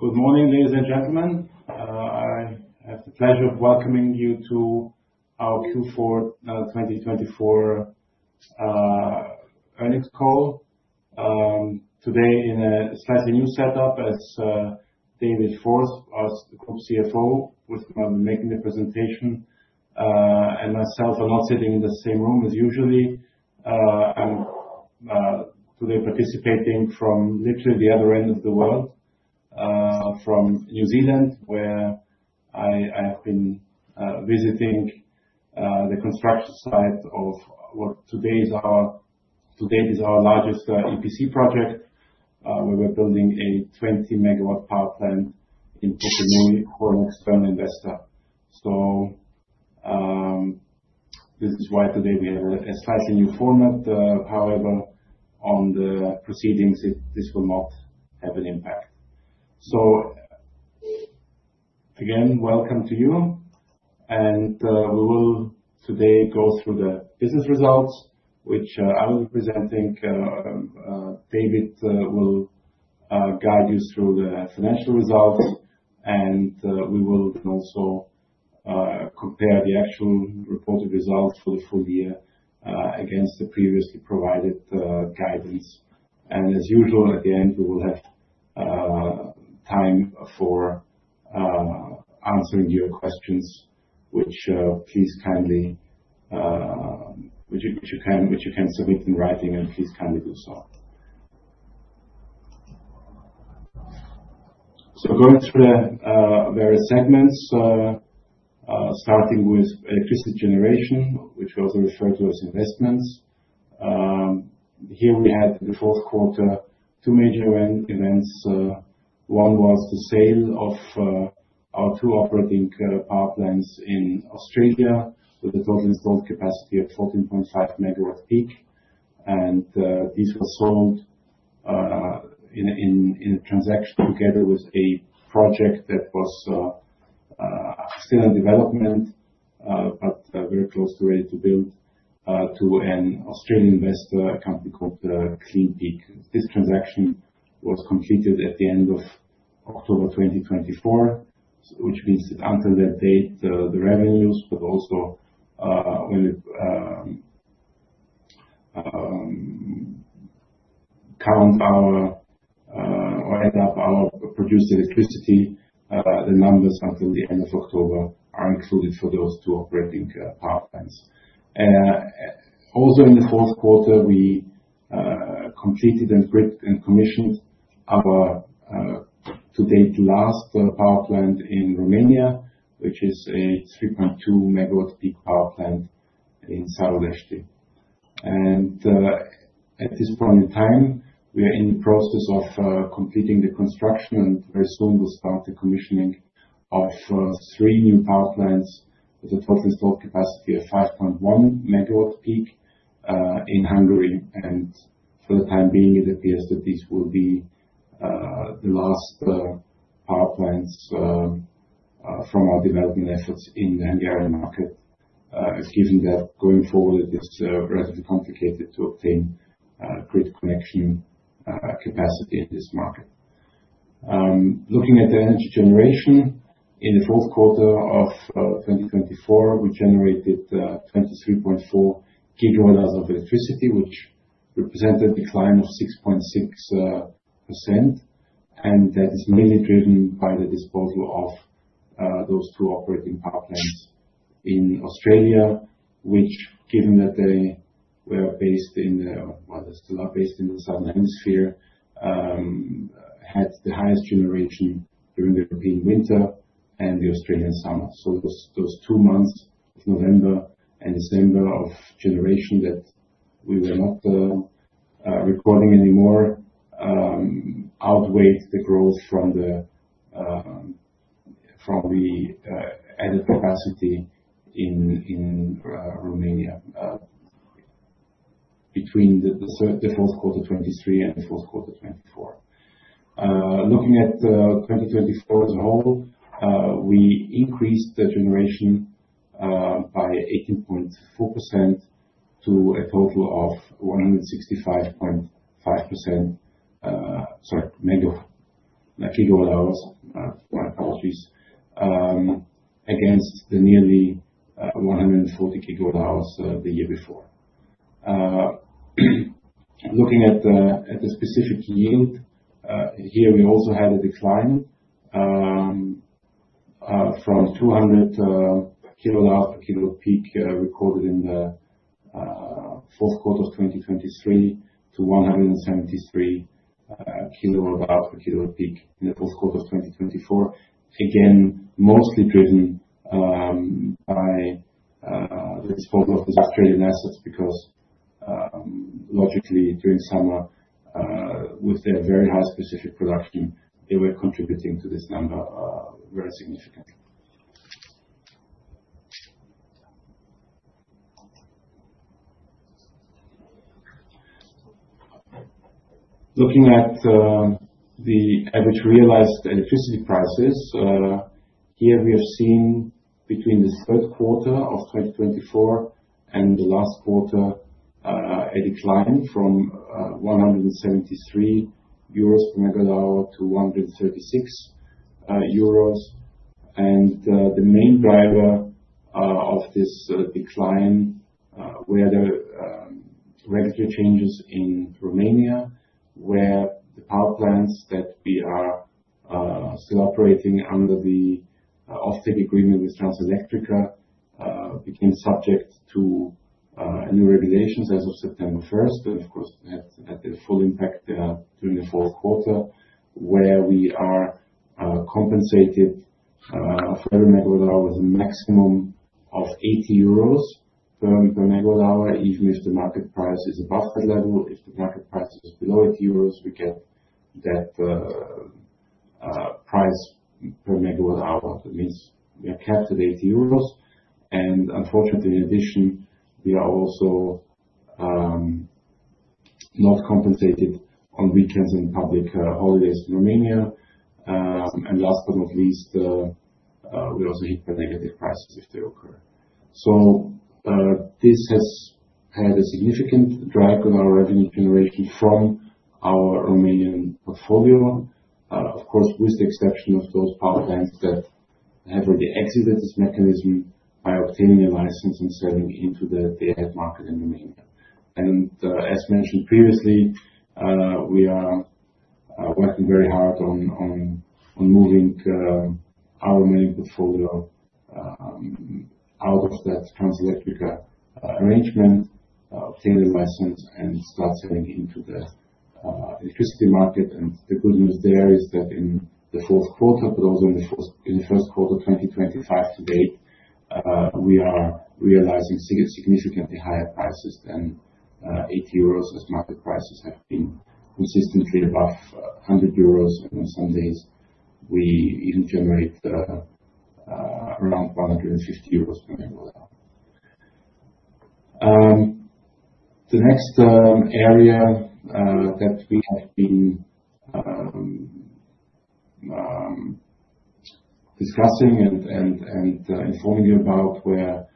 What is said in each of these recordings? Good morning, ladies and gentlemen. I have the pleasure of welcoming you to our Q4, 2024, earnings call today in a slightly new setup, as David Forth, our Group CFO, will be making the presentation. I am not sitting in the same room as usually. I am today participating from literally the other end of the world, from New Zealand, where I have been visiting the construction site of what today is our largest EPC project, where we are building a 20 MW power plant in Porto Neo for an external investor. This is why today we have a slightly new format. However, on the proceedings, this will not have an impact. Again, welcome to you. We will today go through the business results, which I will be presenting. David will guide you through the financial results. We will also compare the actual reported results for the full year against the previously provided guidance. As usual, at the end, we will have time for answering your questions, which you can submit in writing, and please kindly do so. Going through the various segments, starting with electricity generation, which we also refer to as investments, here we had in the fourth quarter two major events. One was the sale of our two operating power plants in Australia with a total installed capacity of 14.5 megawatt peak. These were sold in a transaction together with a project that was still in development, but very close to ready to build, to an Australian investor, a company called Clean Peak. This transaction was completed at the end of October 2024, which means that until that date, the revenues, but also, when we count our, or add up our produced electricity, the numbers until the end of October are included for those two operating power plants. Also in the fourth quarter, we completed and grid and commissioned our, to-date last, power plant in Romania, which is a 3.2 megawatt peak power plant in Sărulești. At this point in time, we are in the process of completing the construction, and very soon will start the commissioning of three new power plants with a total installed capacity of 5.1 megawatt peak, in Hungary. For the time being, it appears that these will be the last power plants from our development efforts in the Hungarian market, given that going forward it is relatively complicated to obtain grid connection capacity in this market. Looking at the energy generation, in the fourth quarter of 2024, we generated 23.4 GWh of electricity, which represented a decline of 6.6%. That is mainly driven by the disposal of those two operating power plants in Australia, which, given that they were based in the, well, they're still based in the Southern Hemisphere, had the highest generation during the European winter and the Australian summer. Those two months, November and December, of generation that we were not recording anymore, outweighed the growth from the added capacity in Romania, between the third and the fourth quarter 2023 and the fourth quarter 2024. Looking at 2024 as a whole, we increased the generation by 18.4% to a total of 165.5 GWh, apologies, against the nearly 140 GWh the year before. Looking at the specific yield, here we also had a decline from 200 kWh per kilowatt peak, recorded in the fourth quarter of 2023, to 173 kWh per kilowatt peak in the fourth quarter of 2024, again, mostly driven by the disposal of the Australian assets because, logically, during summer, with their very high specific production, they were contributing to this number very significantly. Looking at the average realized electricity prices, here we have seen between the third quarter of 2024 and the last quarter, a decline from 173 euros per MWh to 136 euros. The main driver of this decline were the regulatory changes in Romania, where the power plants that we are still operating under the off-take agreement with Transelectrica became subject to new regulations as of September 1. Of course, that had a full impact during the fourth quarter, where we are compensated for every MWh with a maximum of 80 euros per MWh, even if the market price is above that level. If the market price is below 80 euros, we get that price per MWh. That means we are capped at 80 euros. Unfortunately, in addition, we are also not compensated on weekends and public holidays in Romania. Last but not least, we are also hit by negative prices if they occur. This has had a significant drag on our revenue generation from our Romanian portfolio, of course, with the exception of those power plants that have already exited this mechanism by obtaining a license and selling into the ad market in Romania. As mentioned previously, we are working very hard on moving our remaining portfolio out of that Transelectrica arrangement, obtain the license and start selling into the electricity market. The good news there is that in the fourth quarter, but also in the first quarter 2025 to date, we are realizing significantly higher prices than 80 euros as market prices have been consistently above 100 euros. On some days, we even generate around 150 euros per MWh. The next area that we have been discussing and informing you about were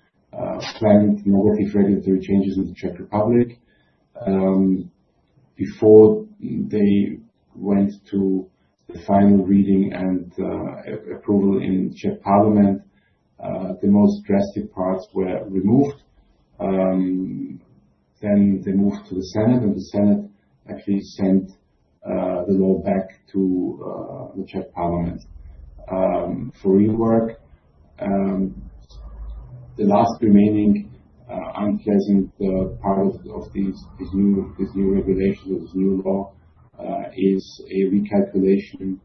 planned negative regulatory changes in the Czech Republic. Before they went to the final reading and approval in Czech Parliament, the most drastic parts were removed. They moved to the Senate, and the Senate actually sent the law back to the Czech Parliament for rework. The last remaining unpleasant part of these new regulations or this new law is a recalculation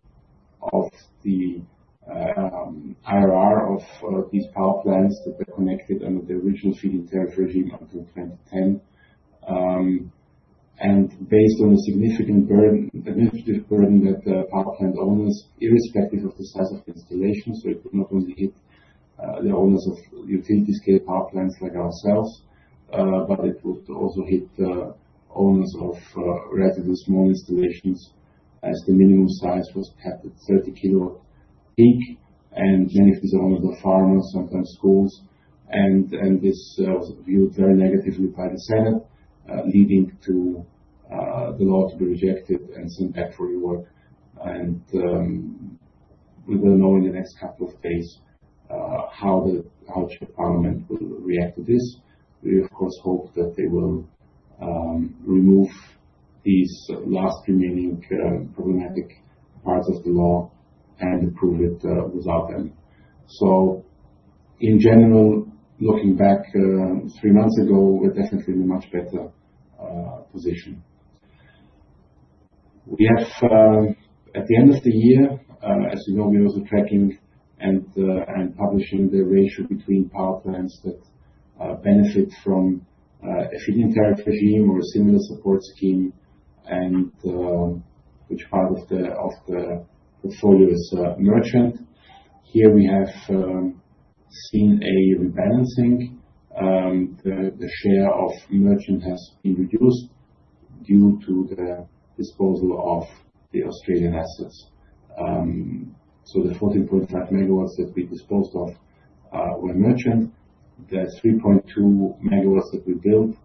of the IRR of these power plants that were connected under the original feed-in-tariff regime until 2010. Based on a significant administrative burden that the power plant owners, irrespective of the size of the installation, so it would not only hit the owners of utility-scale power plants like ourselves, but it would also hit owners of relatively small installations as the minimum size was capped at 30 kilowatt peak. Many of these owners are farmers, sometimes schools. This was viewed very negatively by the Senate, leading to the law to be rejected and sent back for rework. We will know in the next couple of days how the Czech Parliament will react to this. We, of course, hope that they will remove these last remaining problematic parts of the law and approve it without them. In general, looking back, three months ago, we're definitely in a much better position. We have, at the end of the year, as you know, we are also tracking and publishing the ratio between power plants that benefit from a feed-in-tariff regime or a similar support scheme and which part of the portfolio is merchant. Here we have seen a rebalancing. The share of merchant has been reduced due to the disposal of the Australian assets. The 14.5 MW that we disposed of were merchant. The 3.2 MW that we built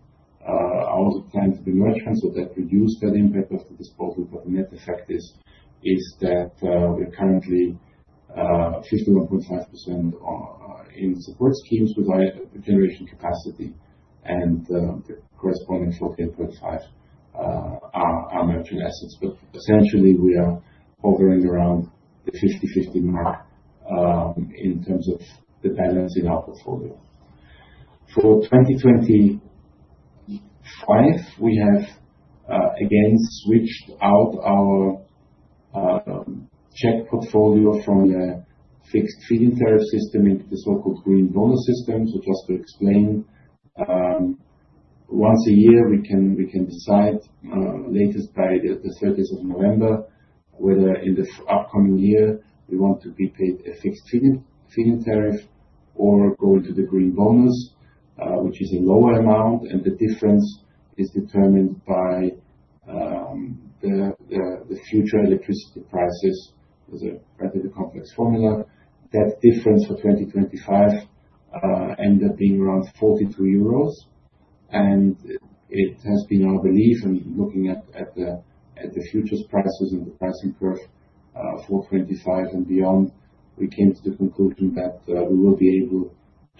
are also planned to be merchant. That reduced that impact of the disposal. The net effect is that we're currently 51.5% in support schemes with our generation capacity. The corresponding 14.5 are merchant assets. Essentially, we are hovering around the 50/50 mark in terms of the balance in our portfolio. For 2025, we have again switched out our Czech portfolio from the fixed feed-in-tariff system into the so-called green bonus system. Just to explain, once a year, we can decide, latest by the 30th of November, whether in the upcoming year we want to be paid a fixed feed-in-tariff or go into the green bonus, which is a lower amount. The difference is determined by the future electricity prices. There is a relatively complex formula. That difference for 2025 ended up being around 42 euros. It has been our belief, and looking at the futures prices and the pricing curve, for 2025 and beyond, we came to the conclusion that we will be able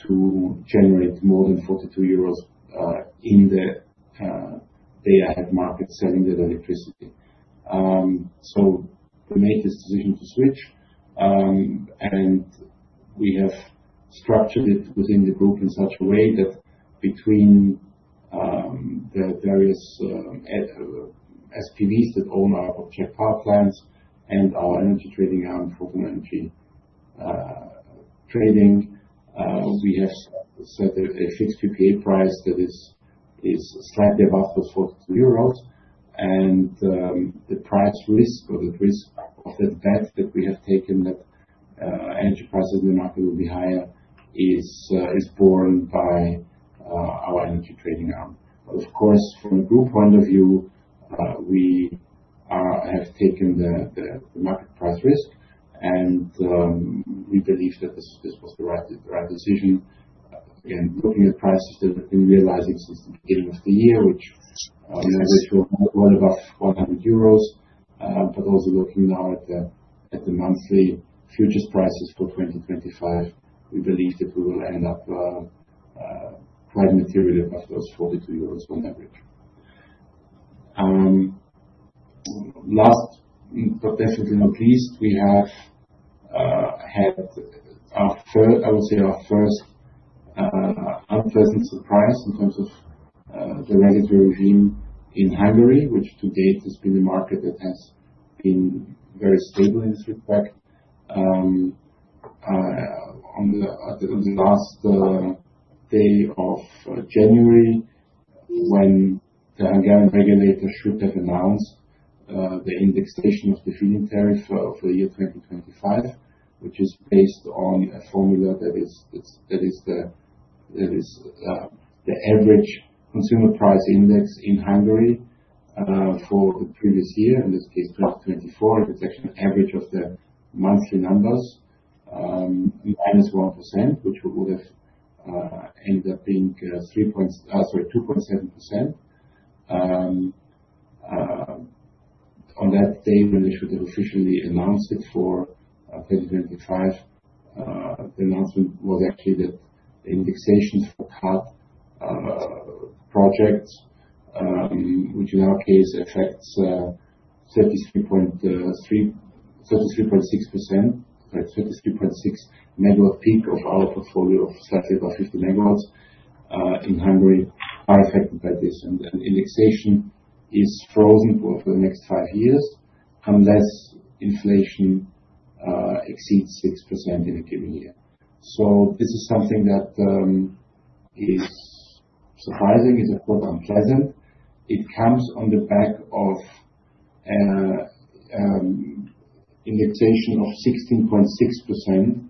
to generate more than 42 euros in the day-ahead market selling that electricity. We made this decision to switch. We have structured it within the group in such a way that between the various SPVs that own our Czech power plants and our energy trading arm for the energy trading, we have set a fixed PPA price that is slightly above those 42 euros. The price risk or the risk of that bet that we have taken that energy prices in the market will be higher is borne by our energy trading arm. Of course, from a group point of view, we have taken the market price risk. We believe that this was the right decision. Again, looking at prices that have been realizing since the beginning of the year, which were above 100 euros, but also looking now at the monthly futures prices for 2025, we believe that we will end up quite materially above those EUR 42 on average. Last but definitely not least, we have had our first, I would say, our first unpleasant surprise in terms of the regulatory regime in Hungary, which to date has been a market that has been very stable in this respect. On the last day of January, when the Hungarian regulator should have announced the indexation of the feed-in-tariff for the year 2025, which is based on a formula that is the average consumer price index in Hungary for the previous year, in this case 2024, that's actually an average of the monthly numbers minus 1%, which would have ended up being 2.7%. On that day, when they should have officially announced it for 2025, the announcement was actually that the indexation for CAT projects, which in our case affects 33.6 megawatt peak of our portfolio of slightly above 50 MW in Hungary, are affected by this. Indexation is frozen for the next five years unless inflation exceeds 6% in a given year. This is something that is surprising. It's, of course, unpleasant. It comes on the back of indexation of 16.6%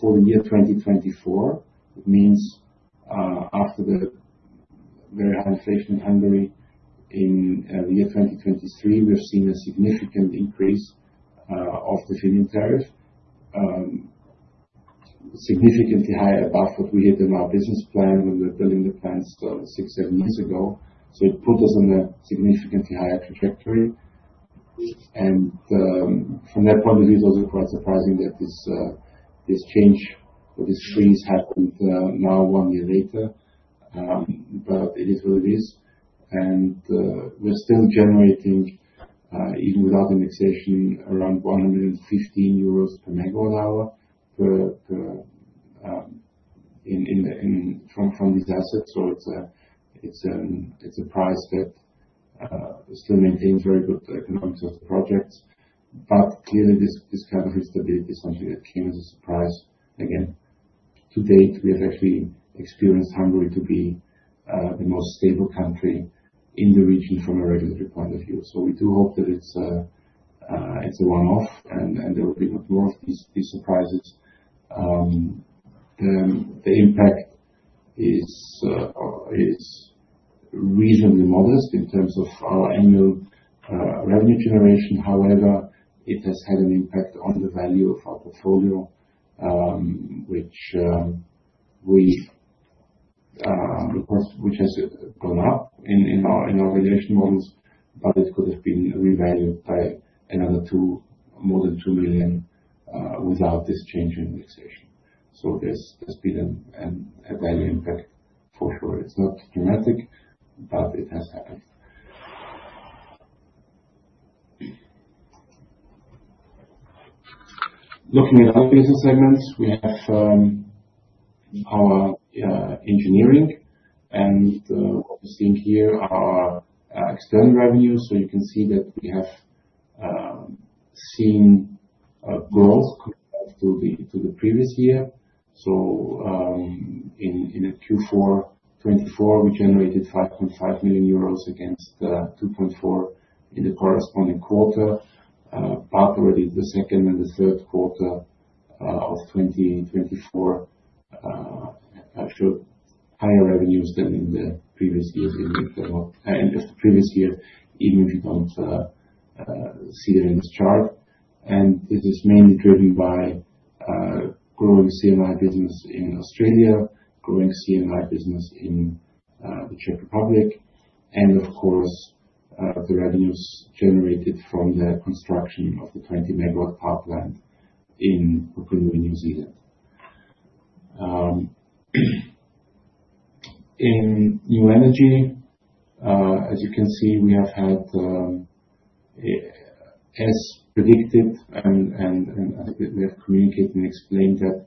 for the year 2024. It means, after the very high inflation in Hungary in the year 2023, we've seen a significant increase of the feed-in-tariff, significantly higher above what we had in our business plan when we were building the plants six, seven years ago. It put us on a significantly higher trajectory. From that point of view, it was quite surprising that this change or this freeze happened, now one year later. It is what it is. We're still generating, even without indexation, around EUR 115 per MWh from these assets. It's a price that still maintains very good economics of the projects. Clearly, this kind of instability is something that came as a surprise. Again, to date, we have actually experienced Hungary to be the most stable country in the region from a regulatory point of view. We do hope that it's a one-off, and there will be not more of these surprises. The impact is reasonably modest in terms of our annual revenue generation. However, it has had an impact on the value of our portfolio, which, of course, has gone up in our regulation models. It could have been revalued by another more than 2 million without this change in indexation. There has been a value impact for sure. It's not dramatic, but it has happened. Looking at other business segments, we have our engineering. What we're seeing here are external revenues. You can see that we have seen growth compared to the previous year. In Q4 2024, we generated 5.5 million euros against 2.4 million in the corresponding quarter. Already the second and the third quarter of 2024 showed higher revenues than in the previous years, even if the previous year, even if you do not see it in this chart. This is mainly driven by growing CMI business in Australia, growing CMI business in the Czech Republic, and of course, the revenues generated from the construction of the 20 MW power plant in New Zealand. In new energy, as you can see, we have had, as predicted, and I think that we have communicated and explained that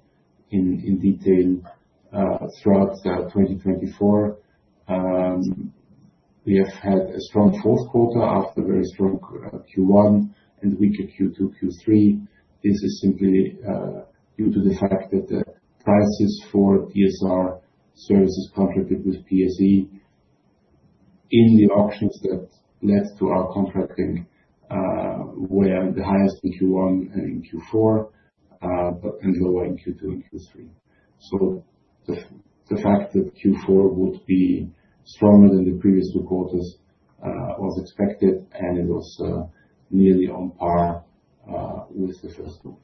in detail throughout 2024. We have had a strong fourth quarter after very strong Q1 and weaker Q2, Q3. This is simply due to the fact that the prices for DSR services contracted with PSE in the auctions that led to our contracting were the highest in Q1 and in Q4, but lower in Q2 and Q3. The fact that Q4 would be stronger than the previous two quarters was expected, and it was nearly on par with the first quarter.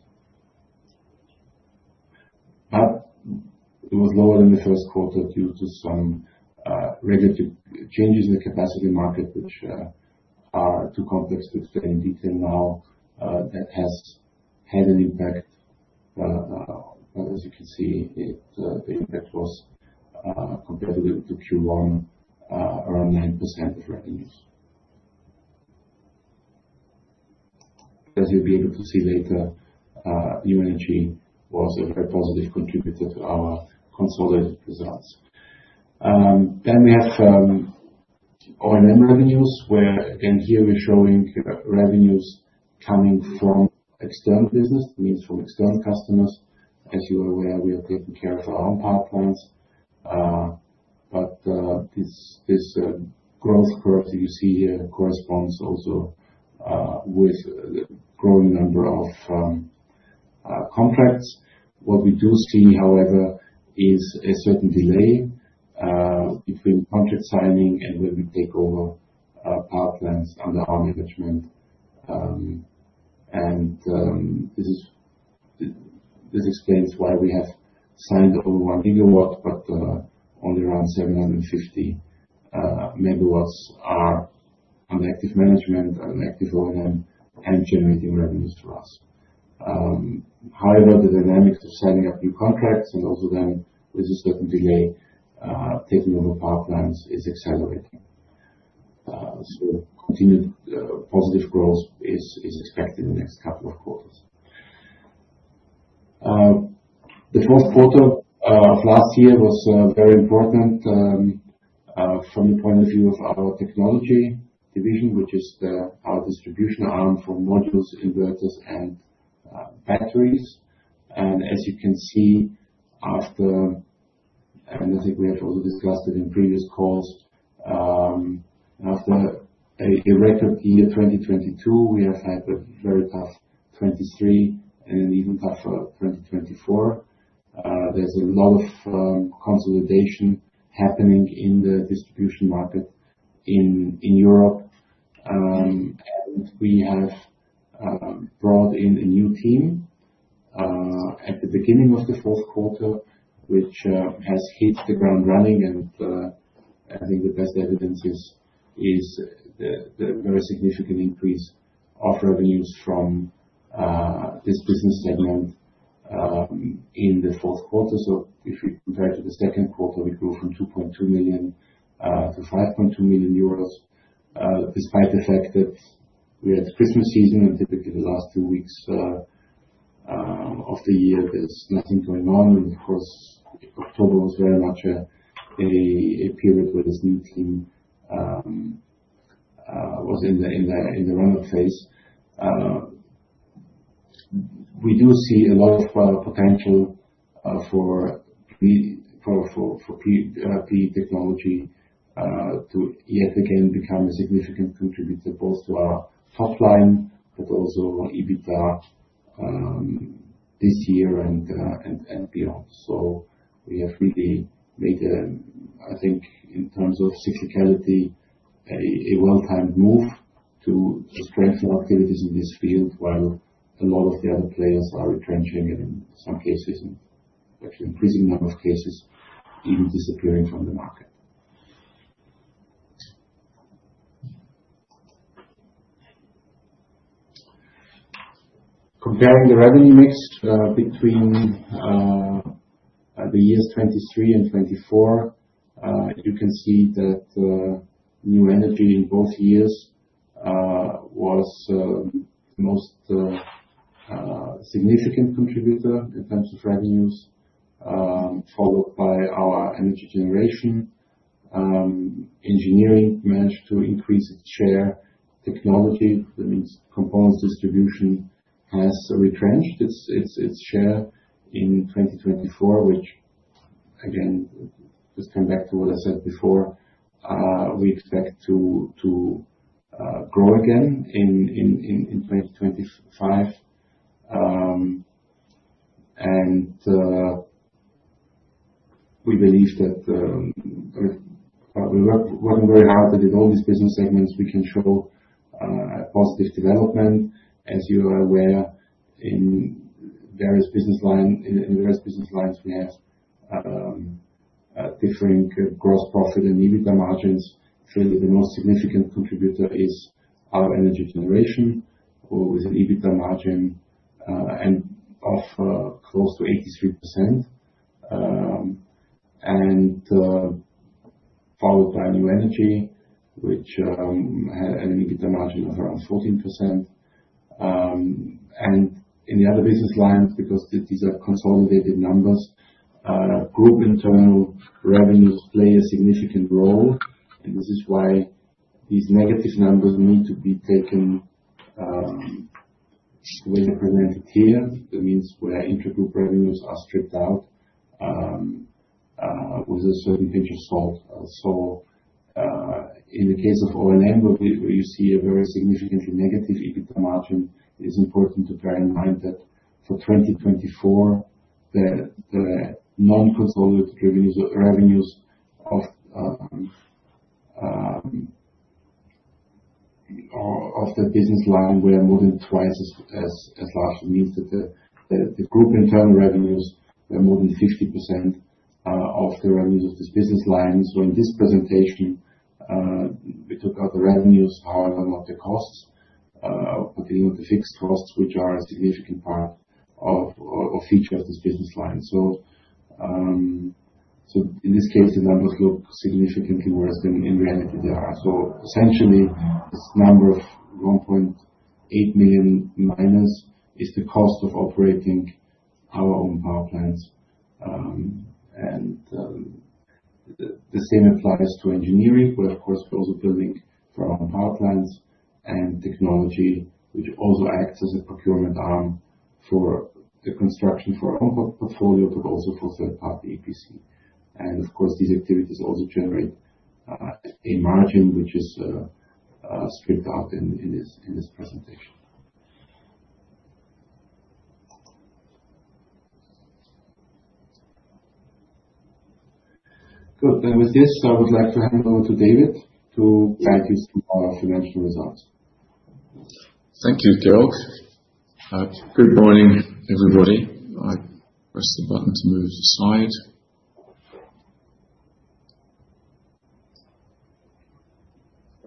It was lower than the first quarter due to some regulatory changes in the capacity market, which are too complex to explain in detail now, that has had an impact. As you can see, the impact was, compared to Q1, around 9% of revenues. As you'll be able to see later, new energy was a very positive contributor to our consolidated results. We have O&M revenues, where again, here we're showing revenues coming from external business, means from external customers. As you are aware, we are taking care of our own power plants. This growth curve that you see here corresponds also with the growing number of contracts. What we do see, however, is a certain delay between contract signing and when we take over power plants under our management. This explains why we have signed over 1 GW, but only around 750 MW are under active management and active O&M and generating revenues for us. However, the dynamics of signing up new contracts and also then with a certain delay, taking over power plants is accelerating. Continued positive growth is expected in the next couple of quarters. The fourth quarter of last year was very important from the point of view of our technology division, which is our distribution arm for modules, inverters, and batteries. As you can see, after, and I think we have also discussed it in previous calls, after a record year 2022, we have had a very tough 2023 and an even tougher 2024. There is a lot of consolidation happening in the distribution market in Europe. We have brought in a new team at the beginning of the fourth quarter, which has hit the ground running. I think the best evidence is the very significant increase of revenues from this business segment in the fourth quarter. If we compare it to the second quarter, we grew from 2.2 million to 5.2 million euros, despite the fact that we had Christmas season. Typically, the last two weeks of the year, there is nothing going on. Of course, October was very much a period where this new team was in the run-up phase. We do see a lot of potential for pre-technology to yet again become a significant contributor both to our top line, but also EBITDA this year and beyond. We have really made, I think, in terms of cyclicality, a well-timed move to strengthen our activities in this field while a lot of the other players are retrenching and in some cases, in actually increasing number of cases, even disappearing from the market. Comparing the revenue mix between the years 2023 and 2024, you can see that new energy in both years was the most significant contributor in terms of revenues, followed by our energy generation. Engineering managed to increase its share. Technology, that means components distribution, has retrenched its share in 2024, which, again, just comes back to what I said before. We expect to grow again in 2025. We believe that we're working very hard that in all these business segments, we can show a positive development. As you are aware, in various business lines, in various business lines, we have differing gross profit and EBITDA margins. Clearly, the most significant contributor is our energy generation, with an EBITDA margin of close to 83%, followed by new energy, which had an EBITDA margin of around 14%. In the other business lines, because these are consolidated numbers, group internal revenues play a significant role. This is why these negative numbers need to be taken the way they're presented here. That means where intergroup revenues are stripped out, with a certain pinch of salt. In the case of O&M, where you see a very significantly negative EBITDA margin, it is important to bear in mind that for 2024, the non-consolidated revenues of the business line were more than twice as large. That means that the group internal revenues were more than 50% of the revenues of this business line. In this presentation, we took out the revenues, however, not the costs, particularly not the fixed costs, which are a significant feature of this business line. In this case, the numbers look significantly worse than in reality they are. Essentially, this number of 1.8 million minus is the cost of operating our own power plants. The same applies to engineering, where, of course, we're also building for our own power plants and technology, which also acts as a procurement arm for the construction for our own portfolio, but also for third-party EPC. Of course, these activities also generate a margin, which is stripped out in this presentation. Good. With this, I would like to hand over to David to guide you through our financial results. Thank you, Georg. Good morning, everybody. I press the button to move to the side.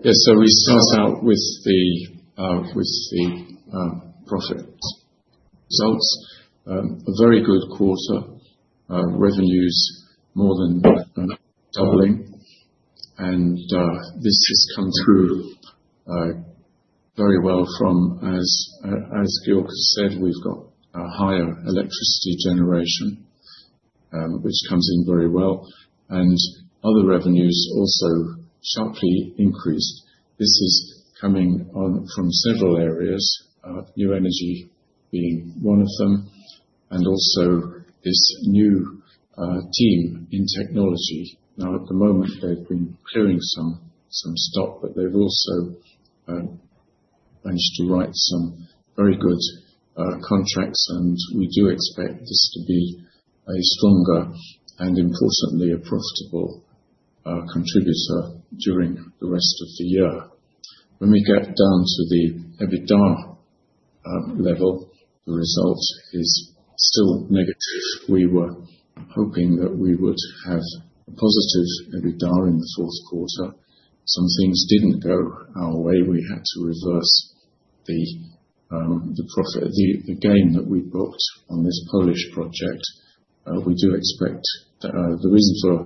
Yeah. We start out with the profit results. A very good quarter, revenues more than doubling. This has come through very well from, as Georg has said, we've got a higher electricity generation, which comes in very well. Other revenues also sharply increased. This is coming on from several areas, new energy being one of them, and also this new team in technology. At the moment, they've been clearing some stock, but they've also managed to write some very good contracts. We do expect this to be a stronger and, importantly, a profitable contributor during the rest of the year. When we get down to the EBITDA level, the result is still negative. We were hoping that we would have a positive EBITDA in the fourth quarter. Some things did not go our way. We had to reverse the profit, the gain that we booked on this Polish project. We do expect that, the reason for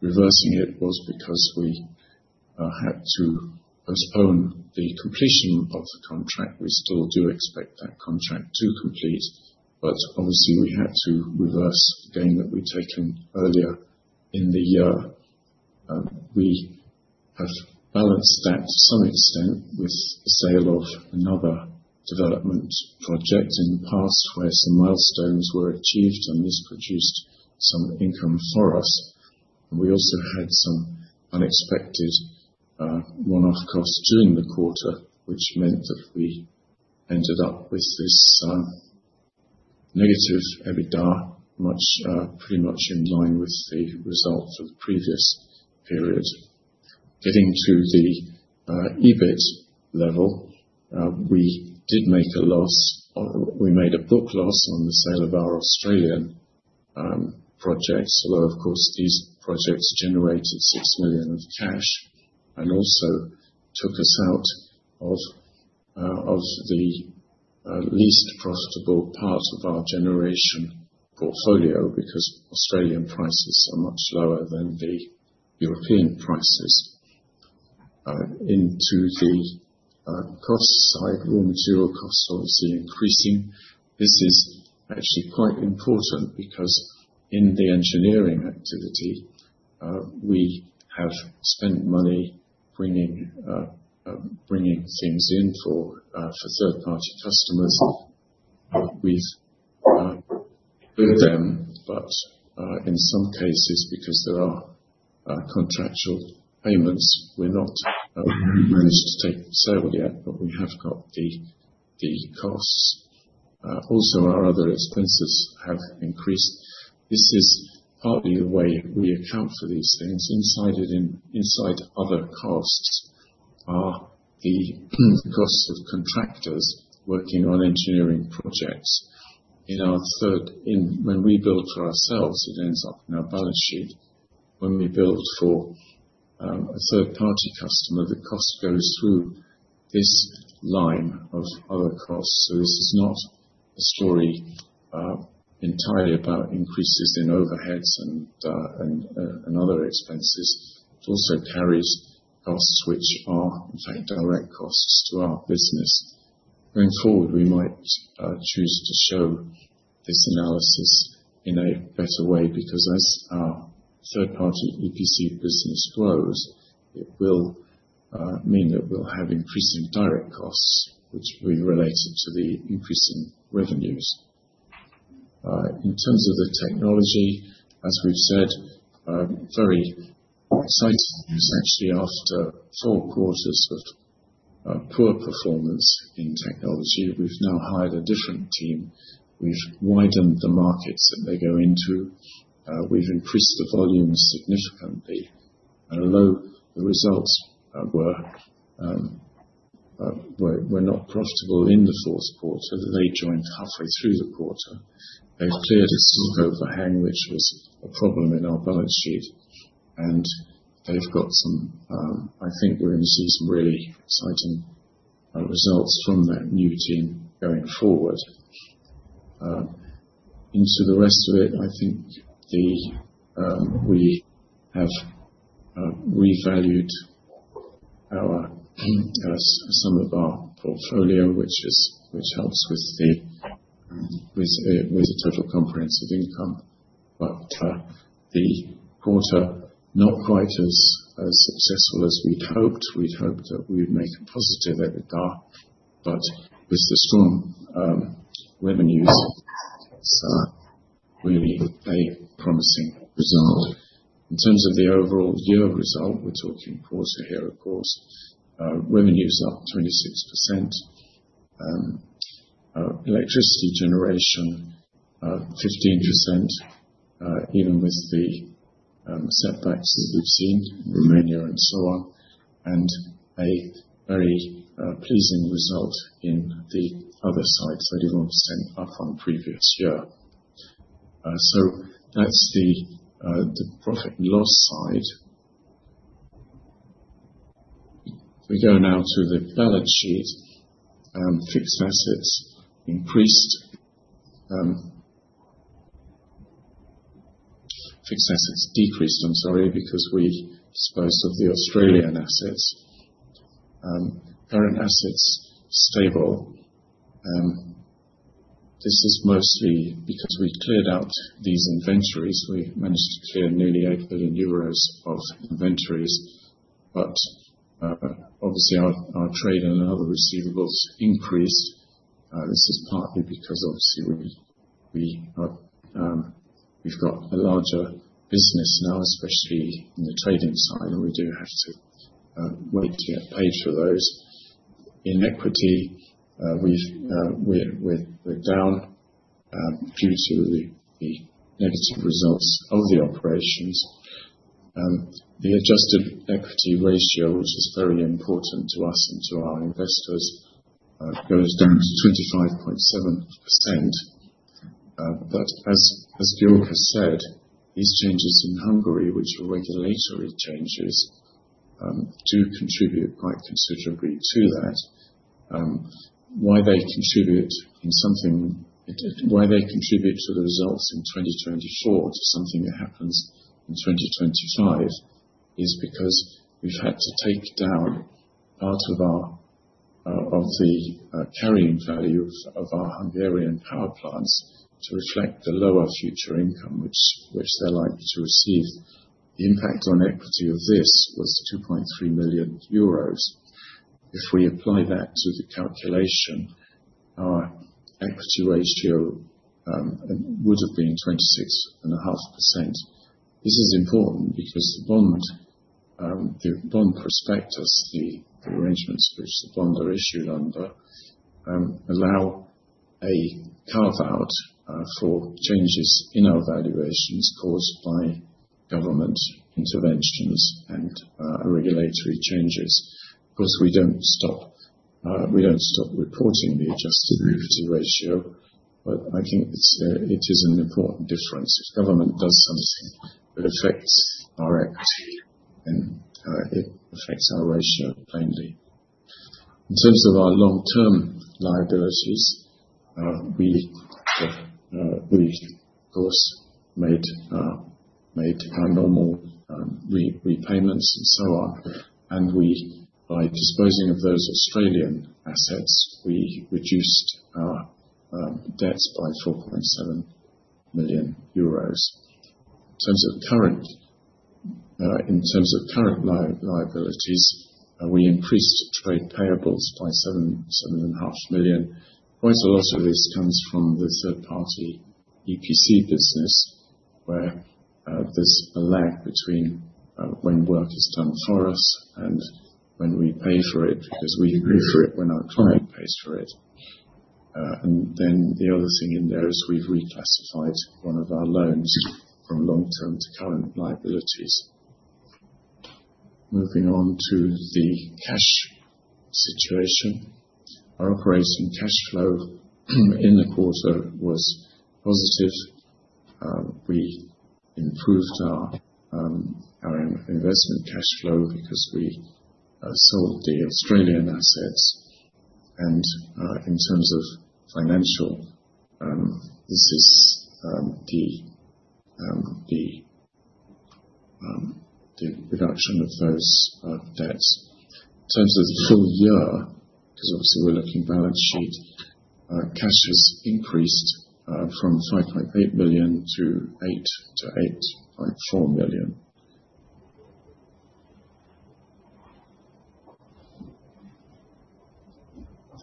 reversing it was because we had to postpone the completion of the contract. We still do expect that contract to complete. Obviously, we had to reverse the gain that we'd taken earlier in the year. We have balanced that to some extent with the sale of another development project in the past where some milestones were achieved, and this produced some income for us. We also had some unexpected, one-off costs during the quarter, which meant that we ended up with this negative EBITDA, pretty much in line with the results of the previous period. Getting to the EBIT level, we did make a loss or we made a book loss on the sale of our Australian projects. Although, of course, these projects generated 6 million of cash and also took us out of the least profitable part of our generation portfolio because Australian prices are much lower than the European prices. Into the cost side, raw material costs obviously increasing. This is actually quite important because in the engineering activity, we have spent money bringing things in for third-party customers. We've bid them, but in some cases, because there are contractual payments, we're not managed to take them sale yet, but we have got the costs. Also, our other expenses have increased. This is partly the way we account for these things. Inside it, inside other costs are the costs of contractors working on engineering projects. In our third, in when we build for ourselves, it ends up in our balance sheet. When we build for a third-party customer, the cost goes through this line of other costs. This is not a story entirely about increases in overheads and other expenses. It also carries costs which are, in fact, direct costs to our business. Going forward, we might choose to show this analysis in a better way because as our third-party EPC business grows, it will mean that we'll have increasing direct costs, which will be related to the increasing revenues. In terms of the technology, as we've said, very exciting news actually after four quarters of poor performance in technology. We've now hired a different team. We've widened the markets that they go into. We've increased the volume significantly. Although the results were not profitable in the fourth quarter, they joined halfway through the quarter. They've cleared a sink overhang, which was a problem in our balance sheet. And they've got some, I think we're going to see some really exciting results from that new team going forward. Into the rest of it, I think we have revalued some of our portfolio, which helps with total comprehensive income. The quarter, not quite as successful as we'd hoped. We'd hoped that we'd make a positive EBITDA, but with the strong revenues, it's really a promising result. In terms of the overall year result, we're talking quarter here, of course. Revenues up 26%. Electricity generation, 15%, even with the setbacks that we've seen in Romania and so on. A very pleasing result in the other side, 31% up on previous year. That's the profit and loss side. We go now to the balance sheet. Fixed assets decreased, I'm sorry, because we disposed of the Australian assets. Current assets stable. This is mostly because we cleared out these inventories. We managed to clear nearly 8 billion euros of inventories. Obviously, our trade and other receivables increased. This is partly because we have a larger business now, especially in the trading side, and we do have to wait to get paid for those. In equity, we are down, due to the negative results of the operations. The adjusted equity ratio, which is very important to us and to our investors, goes down to 25.7%. As Georg has said, these changes in Hungary, which are regulatory changes, do contribute quite considerably to that. Why they contribute in something, why they contribute to the results in 2024 to something that happens in 2025 is because we've had to take down part of our, of the carrying value of, of our Hungarian power plants to reflect the lower future income, which, which they're likely to receive. The impact on equity of this was 2.3 million euros. If we apply that to the calculation, our equity ratio would have been 26.5%. This is important because the bond, the bond prospectus, the arrangements which the bond are issued under, allow a carve-out for changes in our valuations caused by government interventions and regulatory changes. Of course, we don't stop, we don't stop reporting the adjusted equity ratio, but I think it is an important difference. If government does something that affects our equity, then it affects our ratio plainly. In terms of our long-term liabilities, we, of course, made our normal repayments and so on. We, by disposing of those Australian assets, reduced our debts by 4.7 million euros. In terms of current liabilities, we increased trade payables by 7.5 million. Quite a lot of this comes from the third-party EPC business where there's a lag between when work is done for us and when we pay for it because we pay for it when our client pays for it. The other thing in there is we've reclassified one of our loans from long-term to current liabilities. Moving on to the cash situation. Our operating cash flow in the quarter was positive. We improved our investment cash flow because we sold the Australian assets. In terms of financial, this is the reduction of those debts. In terms of the full year, because obviously we're looking balance sheet, cash has increased from 5.8 million to 8.4 million.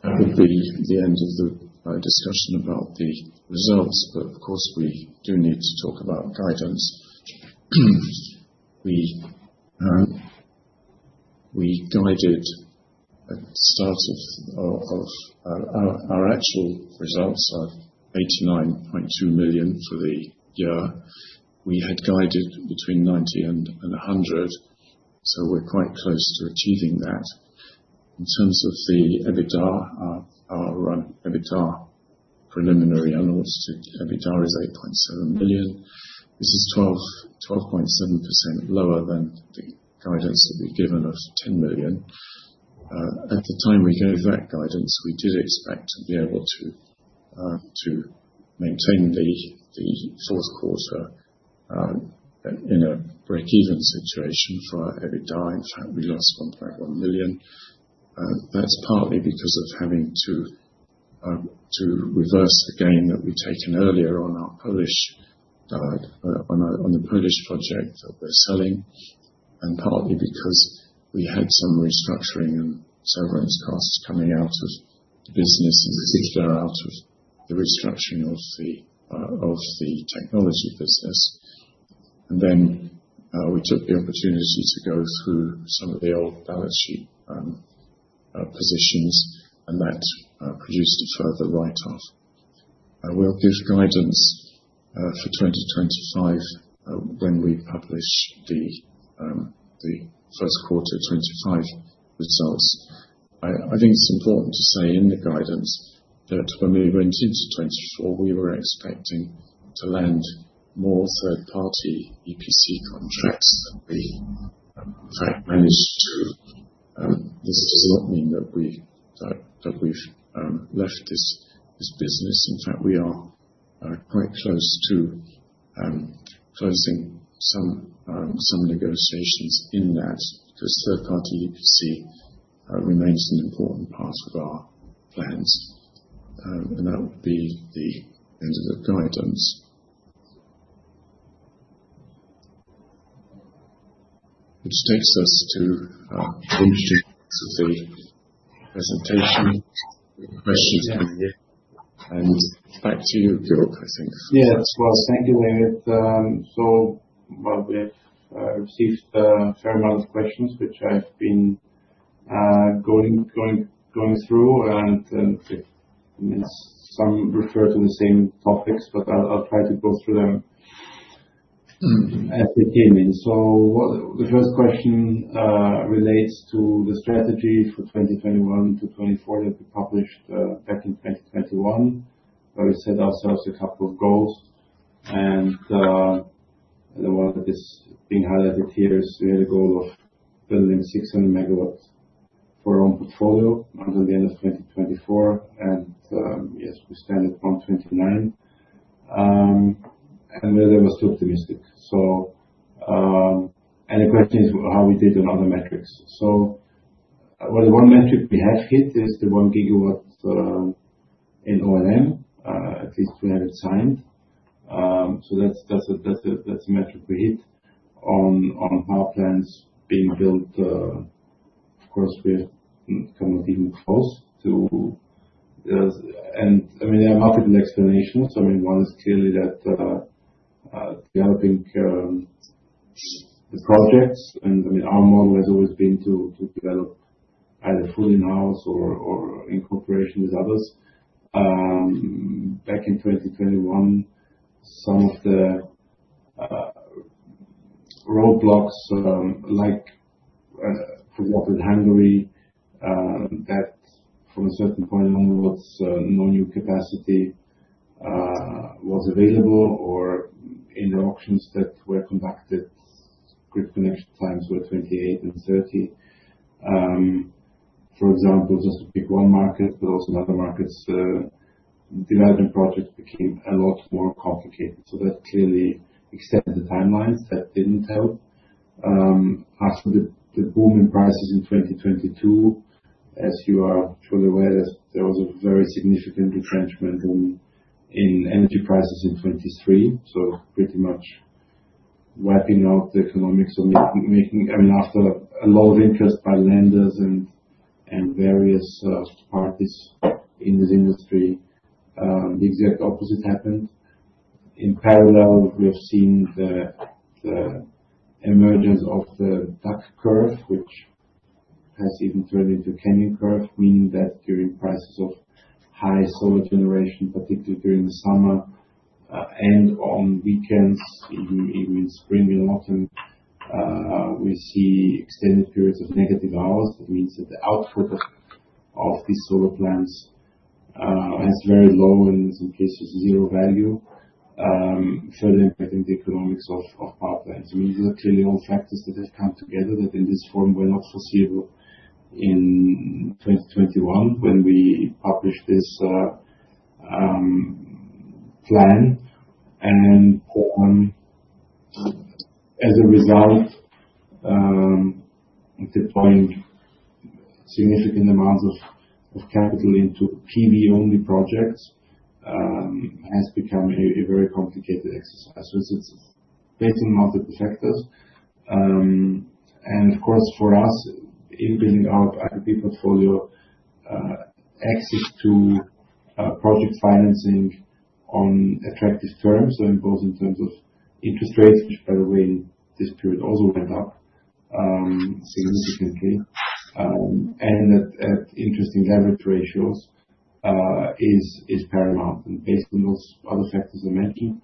At the end of the discussion about the results, of course, we do need to talk about guidance. We guided at the start of our actual results are 89.2 million for the year. We had guided between 90 million and 100 million, so we're quite close to achieving that. In terms of the EBITDA, our EBITDA preliminary unwanted EBITDA is 8.7 million. This is 12.7% lower than the guidance that we've given of 10 million. At the time we gave that guidance, we did expect to be able to maintain the fourth quarter in a break-even situation for our EBITDA. In fact, we lost 1.1 million. That is partly because of having to reverse the gain that we had taken earlier on our Polish, on our, on the Polish project that we are selling. And partly because we had some restructuring and severance costs coming out of the business, in particular out of the restructuring of the technology business. Then, we took the opportunity to go through some of the old balance sheet positions, and that produced a further write-off. We will give guidance for 2025 when we publish the first quarter 2025 results. I think it is important to say in the guidance that when we went into 2024, we were expecting to land more third-party EPC contracts than we, in fact, managed to. This does not mean that we, that we have left this business. In fact, we are quite close to closing some negotiations in that because third-party EPC remains an important part of our plans. That would be the end of the guidance. This takes us to the interesting parts of the presentation. Questions coming in. Back to you, Georg, I think. Thank you, David. We have received a fair amount of questions, which I have been going through. Some refer to the same topics, but I will try to go through them as they came in. The first question relates to the strategy for 2021 to 2024 that we published back in 2021, where we set ourselves a couple of goals. The one that is being highlighted here is we had a goal of building 600 MW for our own portfolio until the end of 2024. Yes, we stand at 129. We were too optimistic. The question is how we did on other metrics. The one metric we have hit is the one GW in O&M, at least we have it signed. That's a metric we hit on power plants being built. Of course, we're not even close to that, and there are multiple explanations. One is clearly that developing the projects, and our model has always been to develop either fully in-house or in cooperation with others. Back in 2021, some of the roadblocks, like for example in Hungary, that from a certain point onwards, no new capacity was available or in the auctions that were conducted, grid connection times were 28 and 30. For example, just to pick one market, but also in other markets, development projects became a lot more complicated. That clearly extended the timelines; that did not help. After the boom in prices in 2022, as you are surely aware, there was a very significant retrenchment in energy prices in 2023, pretty much wiping out the economics or making, I mean, after a lot of interest by lenders and various parties in this industry, the exact opposite happened. In parallel, we have seen the emergence of the Duck Curve, which has even turned into Canyon Curve, meaning that during prices of high solar generation, particularly during the summer and on weekends, even in spring and autumn, we see extended periods of negative hours. That means that the output of these solar plants has very low and in some cases zero value, further impacting the economics of power plants. I mean, these are clearly all factors that have come together that in this form were not foreseeable in 2021 when we published this plan. As a result, deploying significant amounts of capital into PV-only projects has become a very complicated exercise. It is based on multiple factors. Of course, for us, in building our IPP portfolio, access to project financing on attractive terms, in terms of interest rates, which by the way, in this period also went up significantly, and at interesting leverage ratios, is paramount. Based on those other factors I mentioned,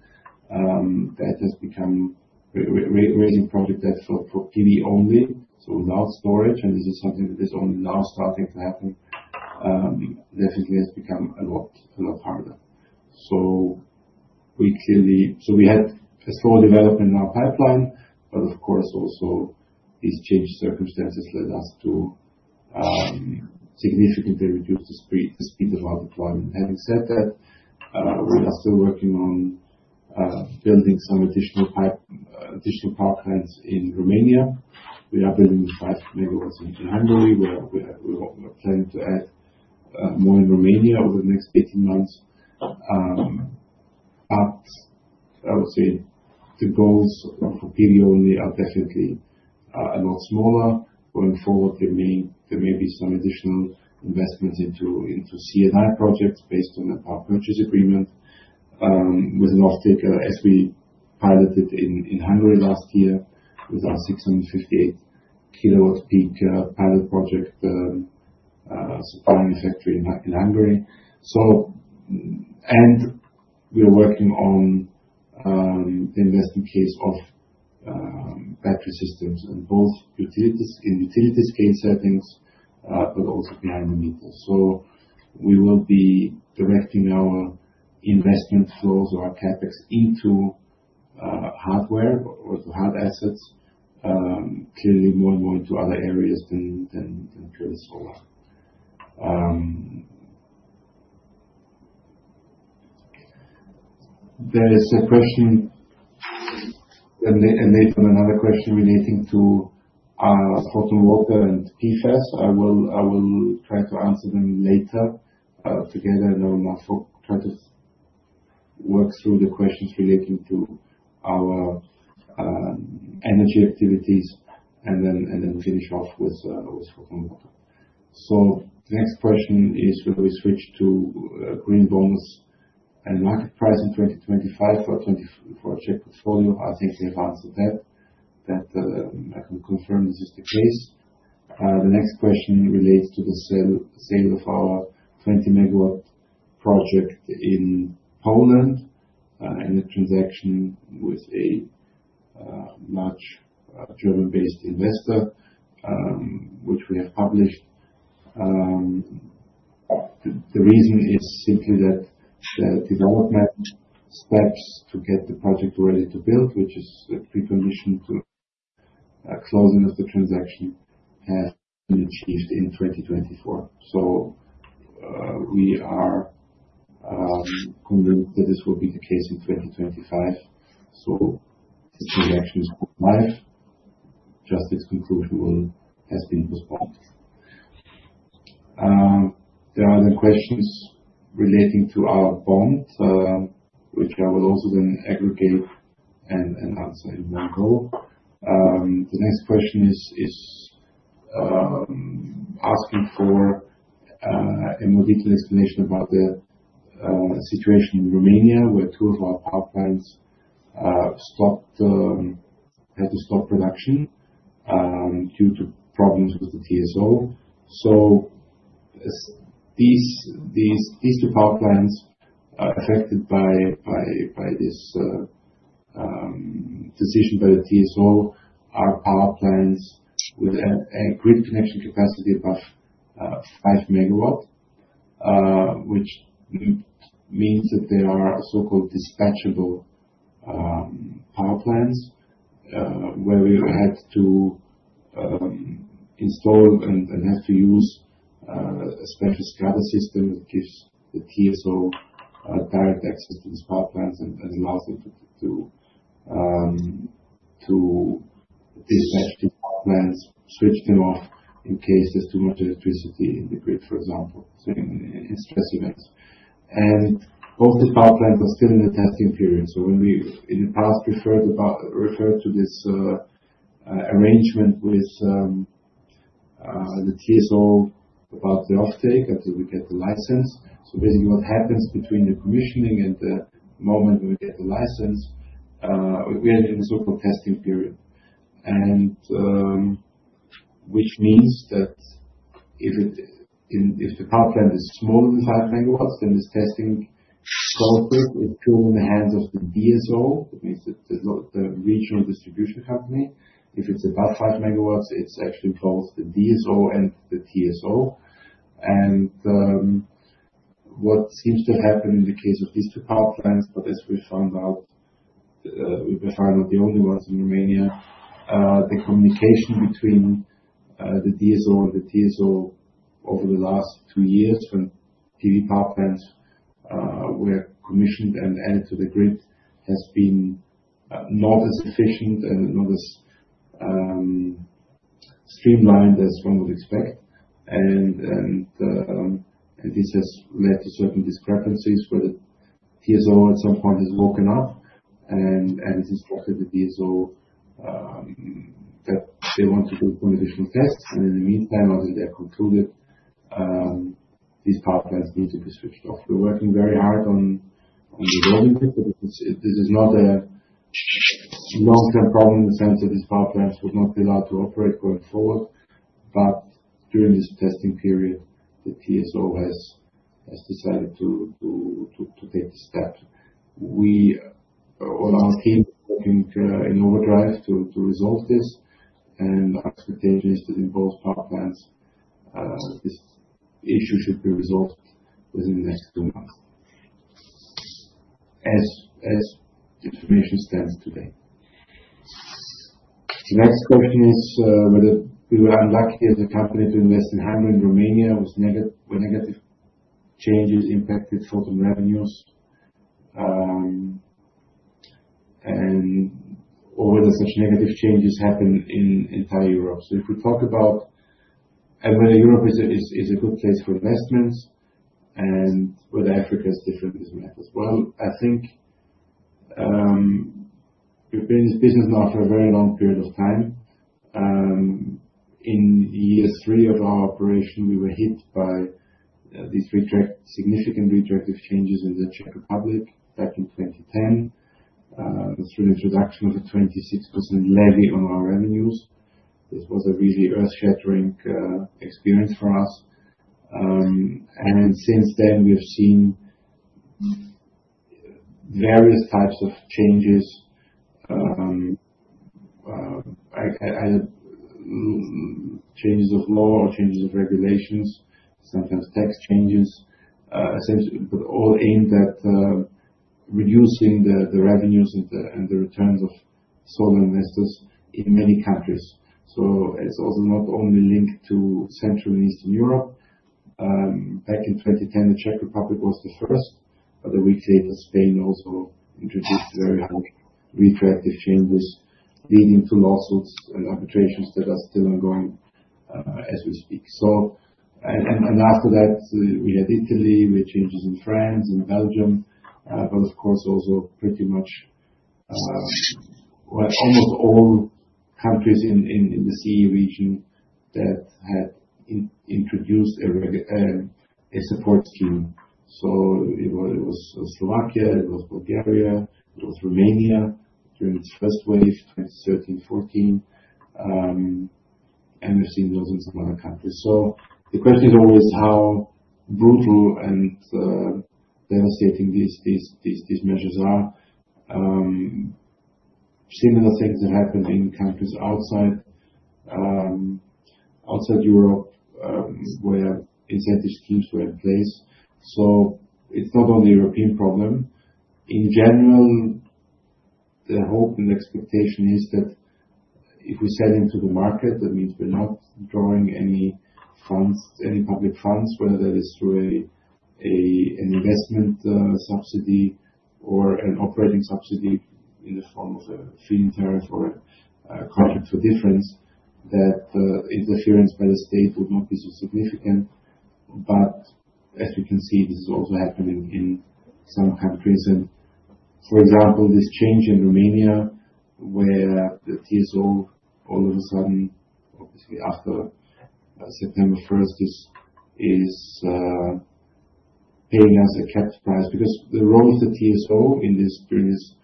that has become raising project that for PV-only, so without storage. This is something that is only now starting to happen. It definitely has become a lot, a lot harder. We clearly had a slow development in our pipeline, but of course, also these changed circumstances led us to significantly reduce the speed of our deployment. Having said that, we are still working on building some additional power plants in Romania. We are building the 5 MW in Hungary, where we are planning to add more in Romania over the next 18 months. I would say the goals for PV-only are definitely a lot smaller. Going forward, there may be some additional investments into C&I projects based on a power purchase agreement, with an offtake, as we piloted in Hungary last year with our 658 kilowatt peak pilot project, supplying a factory in Hungary. We're working on the investment case of battery systems in both utility scale settings, but also behind the meters. We will be directing our investment flows or our CapEx into hardware or to hard assets, clearly more and more into other areas than purely solar. There is a question, another question relating to Thornton Water and PFAS. I will try to answer them later, together, and I will now try to work through the questions relating to our energy activities and then finish off with Thornton Water. The next question is, will we switch to green bonus and market price in 2025 for a 24-Czech portfolio? I think we have answered that. I can confirm this is the case. The next question relates to the sale, sale of our 20 MW project in Poland, in a transaction with a large, German-based investor, which we have published. The reason is simply that the development steps to get the project ready to build, which is a precondition to closing of the transaction, have been achieved in 2024. We are convinced that this will be the case in 2025. This transaction is coming live. Just its conclusion has been postponed. There are other questions relating to our bond, which I will also then aggregate and answer in one go. The next question is asking for a more detailed explanation about the situation in Romania where two of our power plants stopped, had to stop production, due to problems with the TSO. These two power plants, affected by this decision by the TSO, are power plants with a grid connection capacity above 5 MW, which means that they are so-called dispatchable power plants, where we had to install and have to use a special SCADA system that gives the TSO direct access to these power plants and allows them to dispatch these power plants, switch them off in case there's too much electricity in the grid, for example, say in stress events. Both these power plants are still in the testing period. When we in the past referred to this arrangement with the TSO about the offtake until we get the license, basically what happens between the commissioning and the moment when we get the license, we are in a so-called testing period. Which means that if the power plant is smaller than 5 MW, then this testing process is still in the hands of the DSO. That means that the regional distribution company, if it is above 5 MW, it is actually both the DSO and the TSO. What seems to have happened in the case of these two power plants, as we found out, we are finally the only ones in Romania, the communication between the DSO and the TSO over the last two years when PV power plants were commissioned and added to the grid has been not as efficient and not as streamlined as one would expect. This has led to certain discrepancies where the TSO at some point has woken up and instructed the DSO that they want to do some additional tests. In the meantime, until they are concluded, these power plants need to be switched off. We are working very hard on resolving it, but this is not a long-term problem in the sense that these power plants would not be allowed to operate going forward. During this testing period, the TSO has decided to take the step. Our team is working in overdrive to resolve this. Our expectation is that in both power plants, this issue should be resolved within the next two months, as information stands today. The next question is whether we were unlucky as a company to invest in Hungary and Romania with negative, were negative changes impacted Thornton revenues, and or whether such negative changes happen in entire Europe. If we talk about whether Europe is a good place for investments and whether Africa is different in this matter, I think we've been in this business now for a very long period of time. In year three of our operation, we were hit by these significant retroactive changes in the Czech Republic back in 2010, through the introduction of a 26% levy on our revenues. This was a really earth-shattering experience for us. Since then we've seen various types of changes, changes of law or changes of regulations, sometimes tax changes, essentially, but all aimed at reducing the revenues and the returns of solar investors in many countries. It's also not only linked to Central and Eastern Europe. Back in 2010, the Czech Republic was the first, but a week later, Spain also introduced very high retroactive changes leading to lawsuits and arbitrations that are still ongoing, as we speak. After that, we had Italy, we had changes in France, in Belgium, but of course also pretty much, well, almost all countries in the CE region that had introduced a support scheme. It was Slovakia, it was Bulgaria, it was Romania during its first wave, 2013, 2014. We've seen those in some other countries. The question is always how brutal and devastating these measures are. Similar things have happened in countries outside Europe, where incentive schemes were in place. It's not only a European problem. In general, the hope and expectation is that if we sell into the market, that means we're not drawing any funds, any public funds, whether that is through an investment subsidy or an operating subsidy in the form of a feed-in-tariff or a contract for difference, that interference by the state would not be so significant. As we can see, this is also happening in some countries. For example, this change in Romania where the TSO all of a sudden, obviously after September 1, is paying us a capped price because the role of the TSO in this, during this,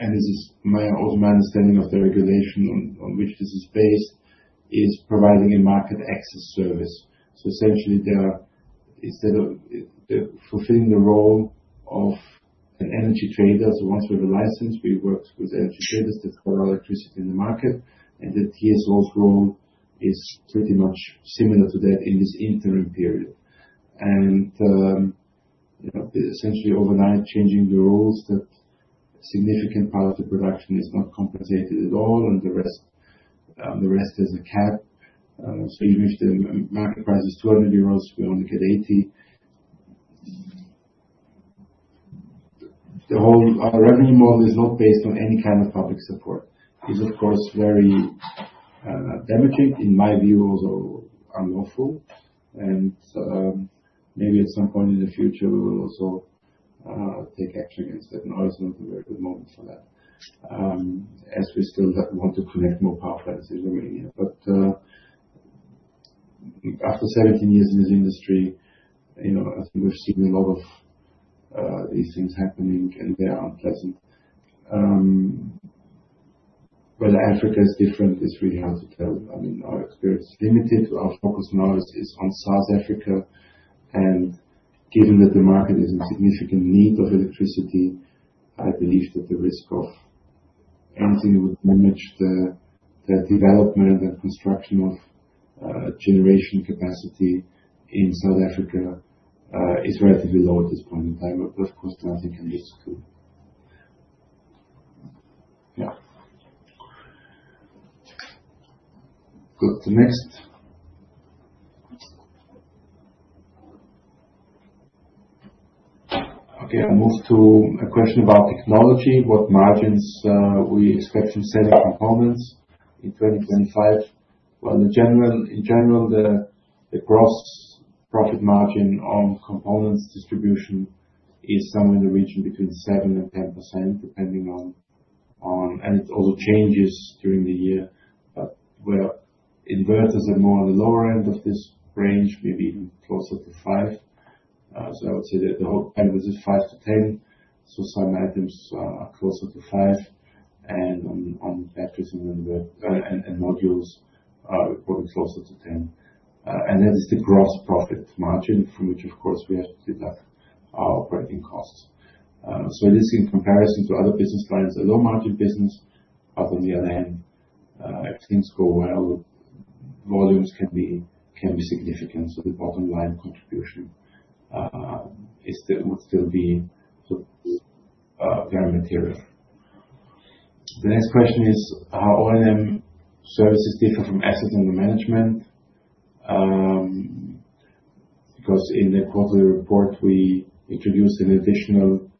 and this is also my understanding of the regulation on which this is based, is providing a market access service. Essentially, they are, instead of, they're fulfilling the role of an energy trader. Once we have a license, we worked with energy traders to sell our electricity in the market. The TSO's role is pretty much similar to that in this interim period. You know, essentially overnight changing the rules that a significant part of the production is not compensated at all and the rest has a cap. Even if the market price is 200 euros, we only get 80. The whole revenue model is not based on any kind of public support. It's, of course, very damaging, in my view, also unlawful. Maybe at some point in the future we will also take action against that. Now is not a very good moment for that, as we still want to connect more power plants in Romania. After 17 years in this industry, you know, I think we've seen a lot of these things happening and they are unpleasant. Whether Africa is different is really hard to tell. I mean, our experience is limited. Our focus now is on South Africa. Given that the market is in significant need of electricity, I believe that the risk of anything that would damage the development and construction of generation capacity in South Africa is relatively low at this point in time. Of course, nothing can be excluded. Yeah. Good. The next. Okay. I'll move to a question about technology. What margins do we expect from selling components in 2025? In general, the gross profit margin on components distribution is somewhere in the region between 7%-10%, depending on, and it also changes during the year. But where inverters are more on the lower end of this range, maybe even closer to five. I would say that the whole kind of is five to ten. Some items are closer to five. On batteries and inverters, and modules, we're probably closer to ten. That is the gross profit margin from which of course we have to deduct our operating costs. This is in comparison to other business lines, a low margin business. On the other hand, if things go well, volumes can be significant. The bottom line contribution would still be very material. The next question is how O&M services differ from asset under management. Because in the quarterly report we introduced an additional,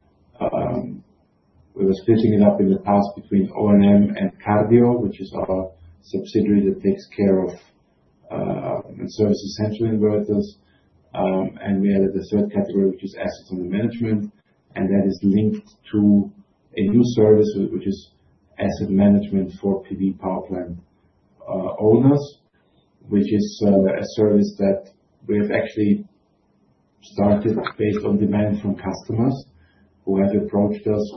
we were splitting it up in the past between O&M and Cardio, which is our subsidiary that takes care of and services central inverters. We added a third category, which is assets under management. That is linked to a new service, which is asset management for PV power plant owners, which is a service that we have actually started based on demand from customers who have approached us,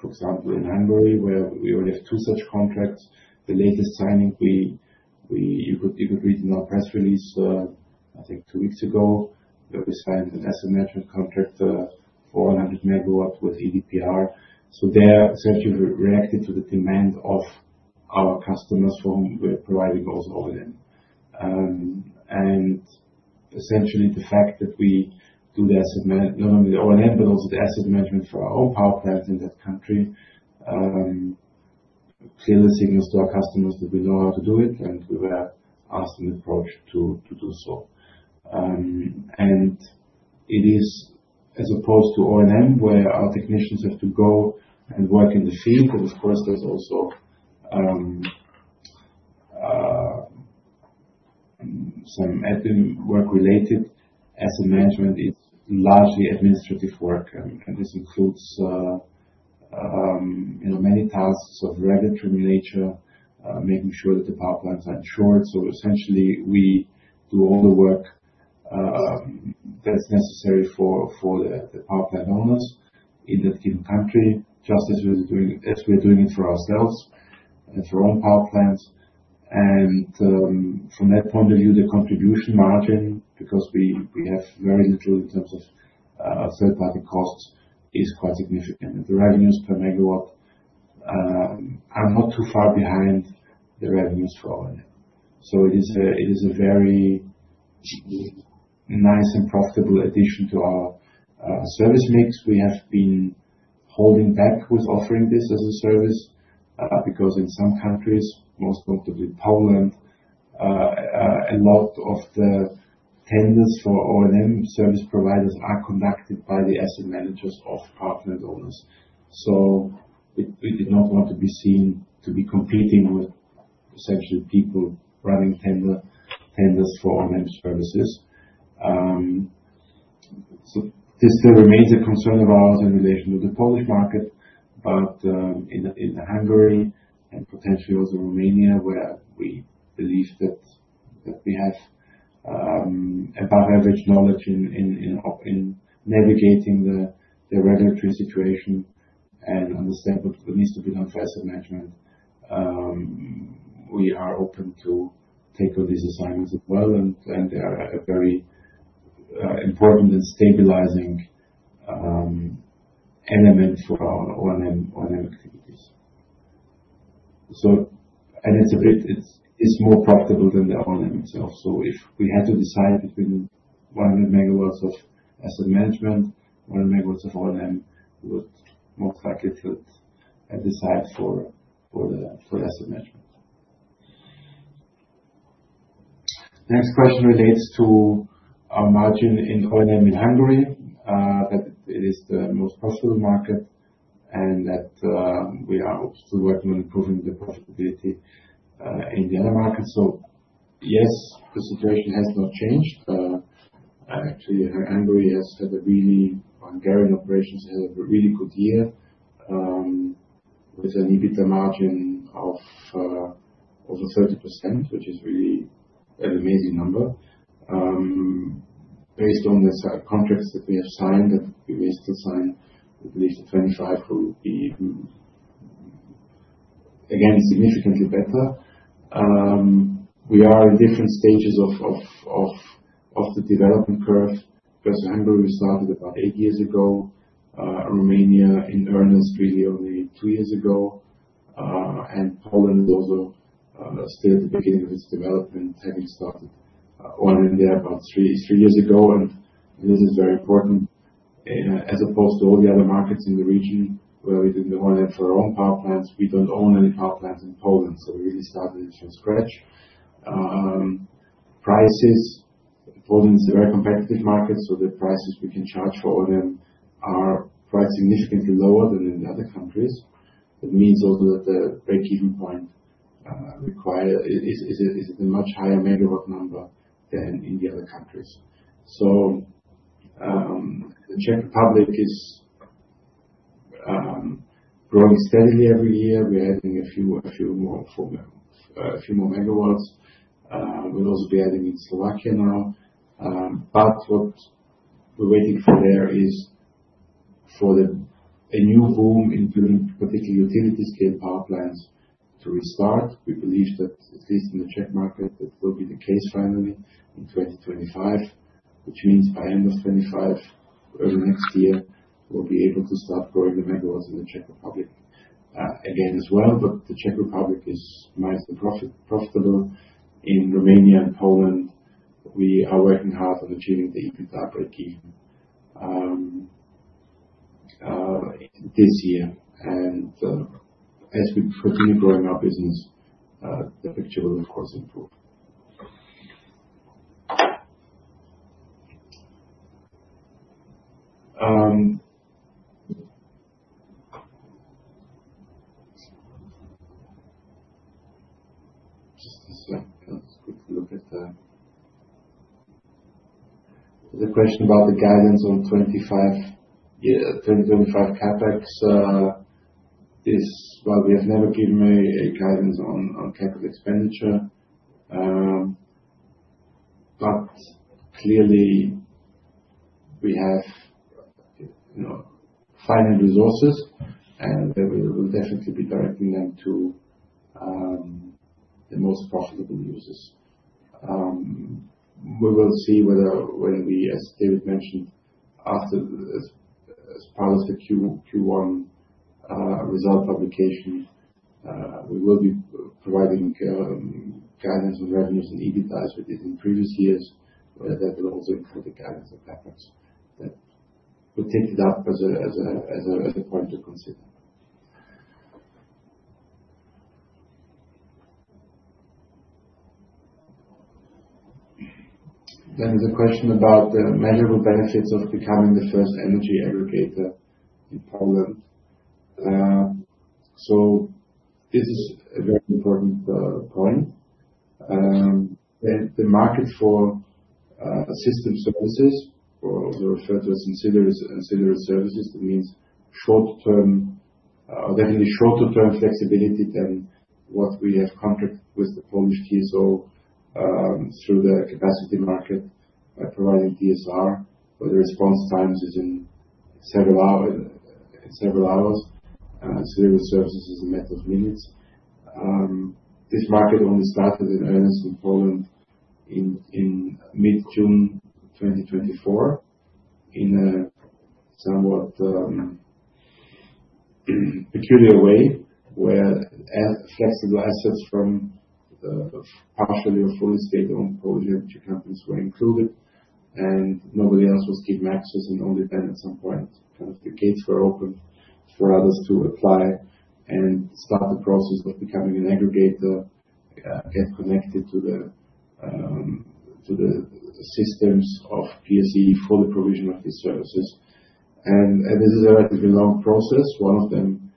for example, in Hungary where we already have two such contracts. The latest signing, you could read in our press release, I think two weeks ago, where we signed an asset management contract for 100 MW with EDPR. There essentially we reacted to the demand of our customers for whom we're providing also O&M. Essentially, the fact that we do the asset management, not only the O&M, but also the asset management for our own power plants in that country, clearly signals to our customers that we know how to do it. We were asked and approached to do so. It is as opposed to O&M where our technicians have to go and work in the field. Of course, there is also some work related to asset management. It is largely administrative work, and this includes, you know, many tasks of regulatory nature, making sure that the power plants are insured. Essentially, we do all the work that is necessary for the power plant owners in that given country, just as we are doing it for ourselves and for our own power plants. From that point of view, the contribution margin, because we have very little in terms of third-party costs, is quite significant. The revenues per MW are not too far behind the revenues for O&M. It is a very nice and profitable addition to our service mix. We have been holding back with offering this as a service, because in some countries, most notably Poland, a lot of the tenders for O&M service providers are conducted by the asset managers of power plant owners. We did not want to be seen to be competing with essentially people running tenders for O&M services. This still remains a concern of ours in relation to the Polish market, but in Hungary and potentially also Romania where we believe that we have above average knowledge in navigating the regulatory situation and understand what needs to be done for asset management, we are open to take on these assignments as well. They are a very important and stabilizing element for our O&M activities. It is a bit more profitable than the O&M itself. If we had to decide between 100 MW of asset management and 100 MW of O&M, we would most likely still decide for the asset management. Next question relates to our margin in O&M in Hungary, that it is the most profitable market and that we are still working on improving the profitability in the other markets. Yes, the situation has not changed. Actually, Hungary has had a really, Hungarian operations had a really good year, with an EBITDA margin of over 30%, which is really an amazing number. Based on the contracts that we have signed, that we may still sign, we believe 2025 will be even again significantly better. We are in different stages of the development curve because Hungary we started about eight years ago, Romania in earnest really only two years ago. Poland is also still at the beginning of its development, having started O&M there about three years ago. This is very important, as opposed to all the other markets in the region where we did not own it for our own power plants. We do not own any power plants in Poland. We really started it from scratch. Prices, Poland is a very competitive market. The prices we can charge for O&M are quite significantly lower than in the other countries. That means also that the break-even point required is a much higher MW number than in the other countries. The Czech Republic is growing steadily every year. We're adding a few more MW. We'll also be adding in Slovakia now. What we're waiting for there is for a new boom in building, particularly utility-scale power plants, to restart. We believe that at least in the Czech market that will be the case finally in 2025, which means by end of 2025, early next year, we'll be able to start growing the MW in the Czech Republic again as well. The Czech Republic is mildly profitable. In Romania and Poland, we are working hard on achieving the EBITDA break-even this year. As we continue growing our business, the picture will of course improve. Just a second. Let's quickly look at the question about the guidance on '25, 2025 CapEx. While we have never given a guidance on capital expenditure, clearly we have, you know, finite resources and we will definitely be directing them to the most profitable uses. We will see whether, when we, as David mentioned, after, as part of the Q1 result publication, we will be providing guidance on revenues and EBITDA as we did in previous years, whether that will also include the guidance of CapEx. We will take it up as a point to consider. There is a question about the measurable benefits of becoming the first energy aggregator in Poland. This is a very important point. The market for system services, or also referred to as ancillary services, means short-term, or getting a shorter-term flexibility than what we have contracted with the Polish TSO through the capacity market by providing DSR where the response time is in several hours. Ancillary services is a matter of minutes. This market only started in earnest in Poland in mid-June 2024 in a somewhat peculiar way where flexible assets from partially or fully state-owned Polish energy companies were included and nobody else was given access. Only then at some point kind of the gates were opened for others to apply and start the process of becoming an aggregator, get connected to the systems of PSE for the provision of these services. This is a relatively long process. One of them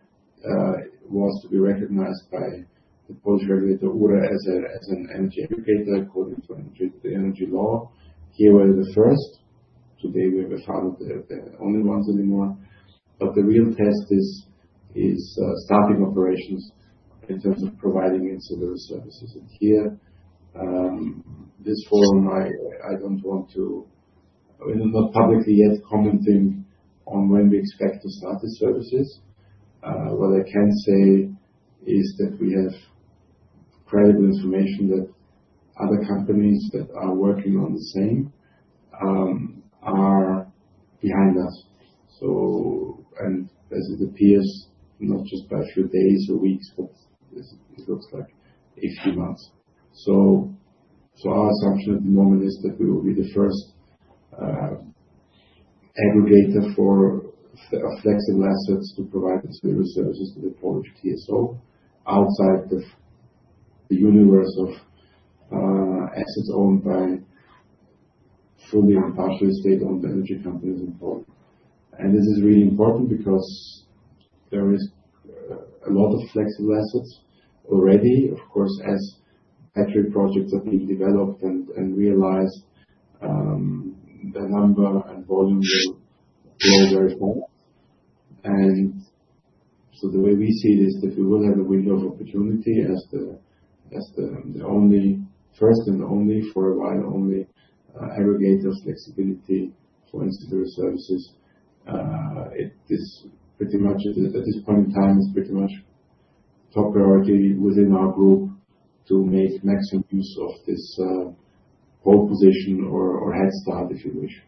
was to be recognized by the Polish regulator URE as an energy aggregator according to energy law. Here we're the first. Today we found that they're not the only ones anymore. The real test is starting operations in terms of providing ancillary services here. In this forum I, I don't want to, I mean, not publicly yet commenting on when we expect to start the services. What I can say is that we have credible information that other companies that are working on the same are behind us. It appears not just by a few days or weeks, but it looks like a few months. Our assumption at the moment is that we will be the first aggregator for flexible assets to provide ancillary services to the Polish TSO outside the universe of assets owned by fully or partially state-owned energy companies in Poland. This is really important because there are a lot of flexible assets already. Of course, as battery projects are being developed and realized, the number and volume will grow very fast. The way we see it is that we will have a window of opportunity as the first and only, for a while, aggregator of flexibility for ancillary services. It is pretty much at this point in time, it's pretty much top priority within our group to make maximum use of this pole position or, or head start if you wish.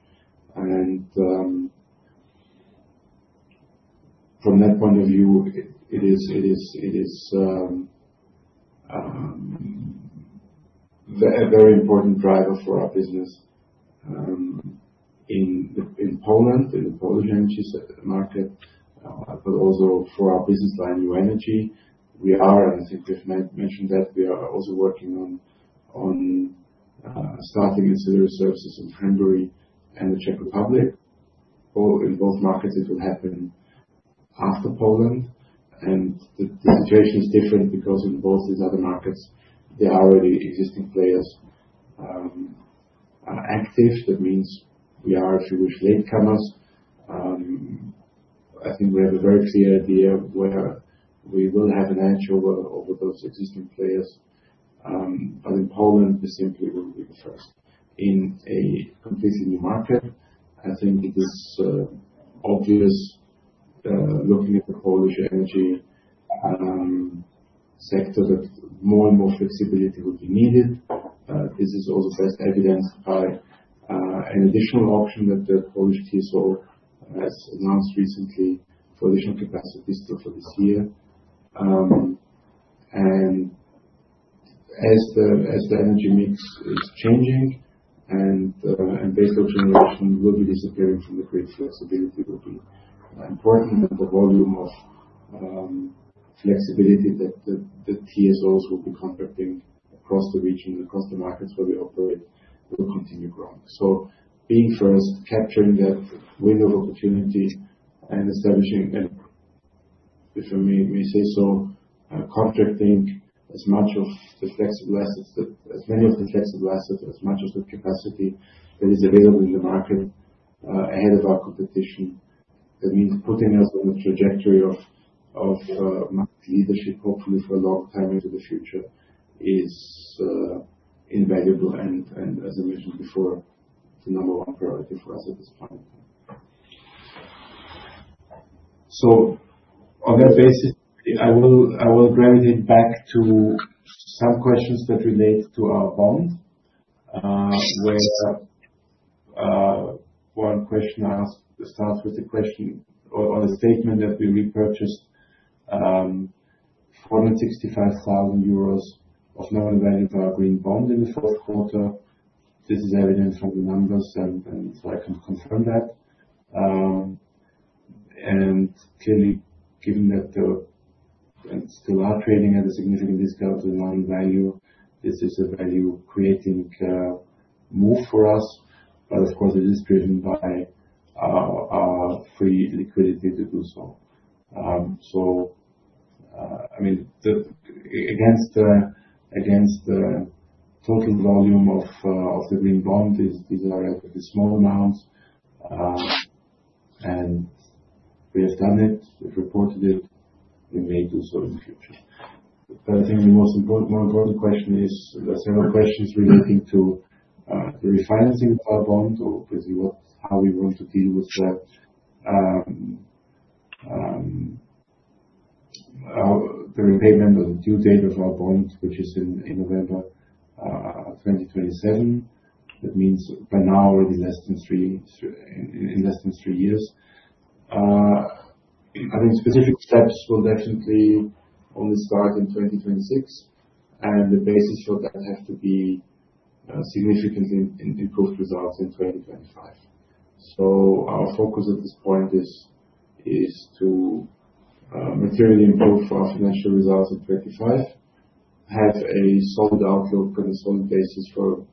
From that point of view, it is a very important driver for our business in Poland, in the Polish energy market, but also for our business by new energy. We are, and I think we've mentioned that we are also working on starting ancillary services in Hungary and the Czech Republic. In both markets, it will happen after Poland. The situation is different because in both these other markets, there are already existing players active. That means we are, if you wish, latecomers. I think we have a very clear idea where we will have an edge over those existing players. In Poland, we simply will be the first in a completely new market. I think it is obvious, looking at the Polish energy sector, that more and more flexibility will be needed. This is also best evidenced by an additional option that the Polish TSO has announced recently for additional capacity still for this year. As the energy mix is changing and baseload generation will be disappearing from the grid, flexibility will be important. The volume of flexibility that the TSOs will be contracting across the region and across the markets where we operate will continue growing. Being first, capturing that window of opportunity and establishing, and if I may say so, contracting as much of the flexible assets that, as many of the flexible assets, as much of the capacity that is available in the market, ahead of our competition, that means putting us on the trajectory of, of, market leadership hopefully for a long time into the future is invaluable. As I mentioned before, the number one priority for us at this point in time. On that basis, I will gravitate back to some questions that relate to our bond, where one question asked starts with the question on a statement that we repurchased 465,000 euros of nominal value of our green bond in the fourth quarter. This is evident from the numbers, and I can confirm that. Clearly, given that they are still trading at a significant discount to the market value, this is a value-creating move for us. Of course, it is driven by our free liquidity to do so. I mean, against the total volume of the green bond, these are relatively small amounts. We have done it, we have reported it, we may do so in the future. I think the more important question is there are several questions relating to the refinancing of our bond or basically how we want to deal with the repayment of the due date of our bond, which is in November 2027. That means by now already in less than three years. I think specific steps will definitely only start in 2026. The basis for that has to be significantly improved results in 2025. Our focus at this point is to materially improve our financial results in 2025, have a solid outlook on a solid basis for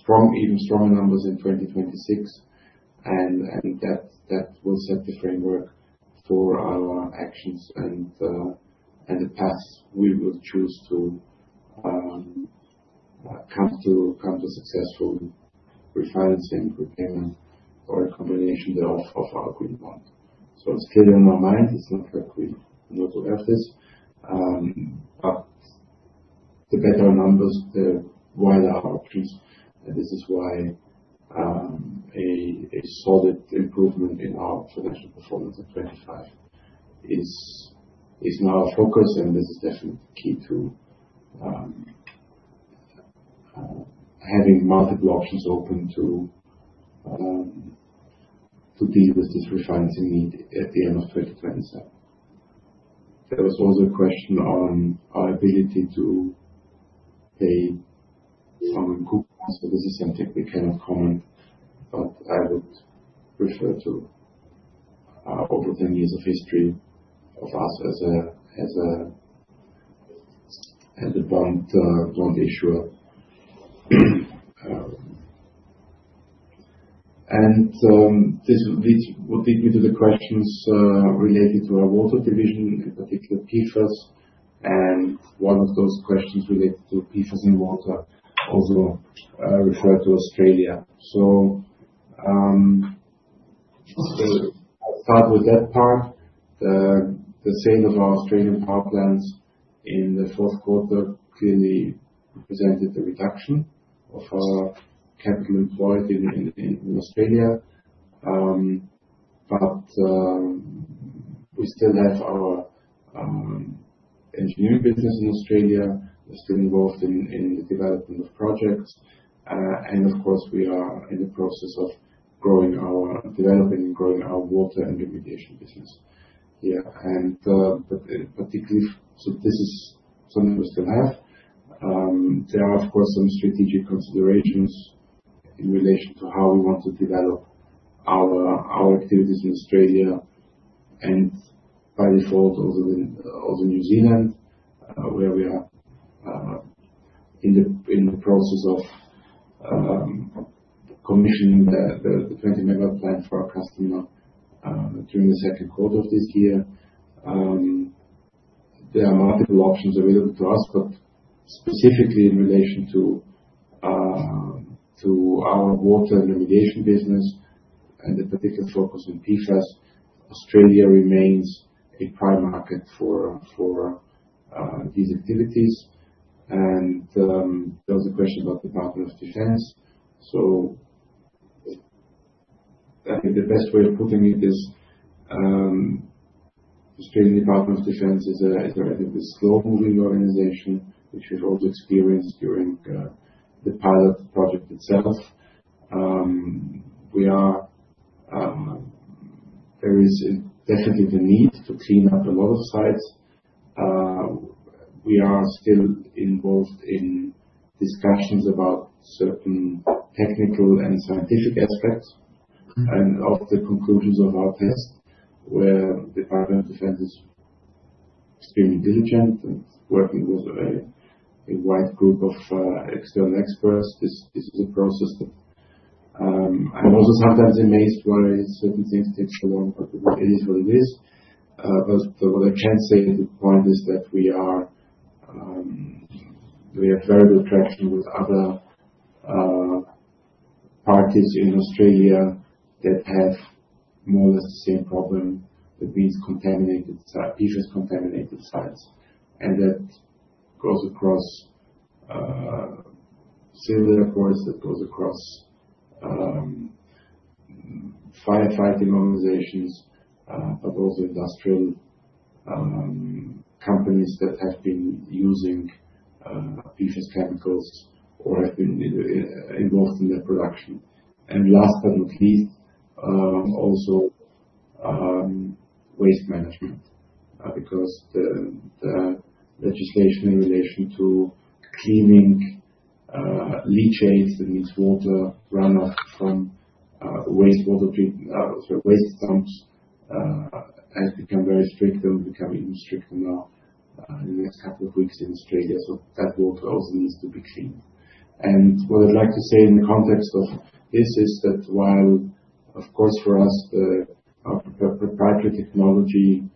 strong, even stronger numbers in 2026. That will set the framework for our actions and the path we will choose to come to successful refinancing, repayment, or a combination of our green bond. It is clear in our mind, it is not like we know to have this. The better numbers, the wider our options. This is why a solid improvement in our financial performance in 2025 is now our focus. This is definitely key to having multiple options open to deal with this refinancing need at the end of 2027. There was also a question on our ability to pay some recruitments. This is something we cannot comment. I would refer to over 10 years of history of us as a bond issuer. This would lead me to the questions related to our water division, in particular PFAS. One of those questions related to PFAS in water also referred to Australia. I'll start with that part. The sale of our Australian power plants in the fourth quarter clearly presented the reduction of our capital employed in Australia. We still have our engineering business in Australia. We're still involved in the development of projects. Of course, we are in the process of developing and growing our water and irrigation business here. This is something we still have. There are of course some strategic considerations in relation to how we want to develop our activities in Australia. By default, also in New Zealand, where we are in the process of commissioning the 20 MW plant for our customer during the second quarter of this year. There are multiple options available to us, but specifically in relation to our water and irrigation business and the particular focus on PFAS, Australia remains a prime market for these activities. There was a question about the Department of Defense. I think the best way of putting it is, Australia's Department of Defense is a relatively slow-moving organization, which we have also experienced during the pilot project itself. There is definitely the need to clean up a lot of sites. We are still involved in discussions about certain technical and scientific aspects and of the conclusions of our tests where the Department of Defense is extremely diligent and working with a wide group of external experts. This is a process that, I'm also sometimes amazed why certain things take so long, but it is what it is. What I can say at this point is that we have very good traction with other parties in Australia that have more or less the same problem, that means contaminated site, PFAS contaminated sites. That goes across civil airports, that goes across firefighting organizations, but also industrial companies that have been using PFAS chemicals or have been involved in their production. Last but not least, also, waste management, because the legislation in relation to cleaning leachates, that means water runoff from waste dumps, has become very strict. They will become even stricter now, in the next couple of weeks in Australia. That water also needs to be cleaned. What I'd like to say in the context of this is that while, of course, for us, our proprietary technology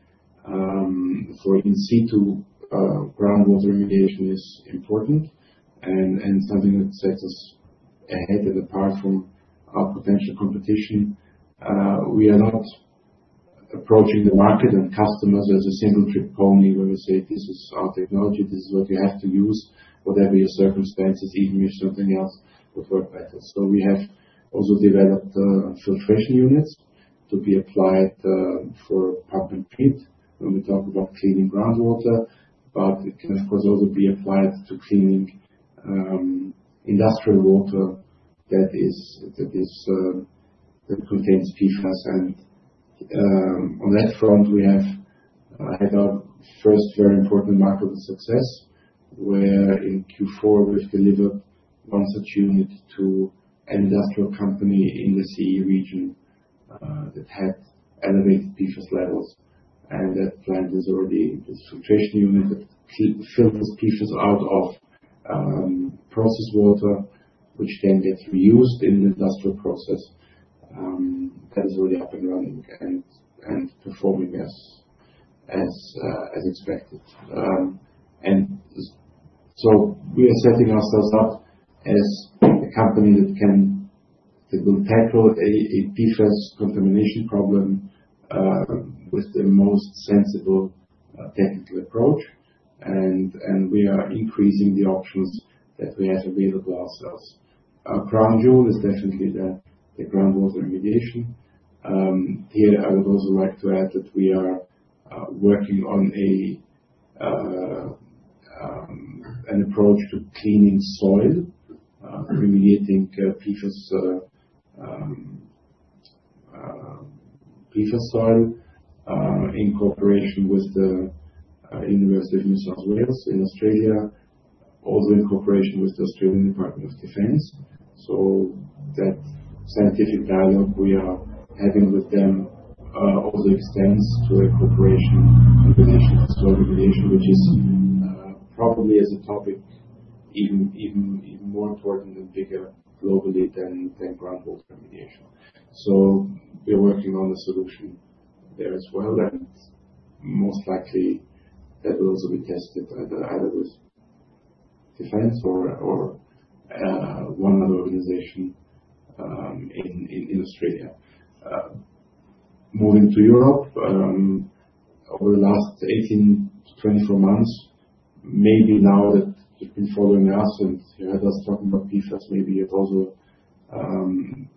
for in situ groundwater remediation is important and something that sets us ahead and apart from our potential competition, we are not approaching the market and customers as a single trip pony, where we say, "This is our technology. This is what you have to use, whatever your circumstances, even if something else would work better. We have also developed filtration units to be applied for pump and treat when we talk about cleaning groundwater. It can of course also be applied to cleaning industrial water that is, that contains PFAS. On that front, we have had our first very important marketing success where in Q4 we have delivered one such unit to an industrial company in the CE region that had elevated PFAS levels. That plant is already, it is a filtration unit that filters PFAS out of processed water, which then gets reused in the industrial process. That is already up and running and performing as expected. We are setting ourselves up as a company that can, that will tackle a PFAS contamination problem, with the most sensible, technical approach. We are increasing the options that we have available ourselves. Our crown jewel is definitely the groundwater remediation. Here I would also like to add that we are working on an approach to cleaning soil, remediating PFAS, PFAS soil, in cooperation with the University of New South Wales in Australia, also in cooperation with the Australian Department of Defense. That scientific dialogue we are having with them also extends to a cooperation on the national soil remediation, which is probably as a topic, even more important and bigger globally than groundwater remediation. We are working on a solution there as well. That will also be tested either with Defense or one other organization in Australia. Moving to Europe, over the last 18 to 24 months, maybe now that you've been following us and you heard us talking about PFAS, maybe you've also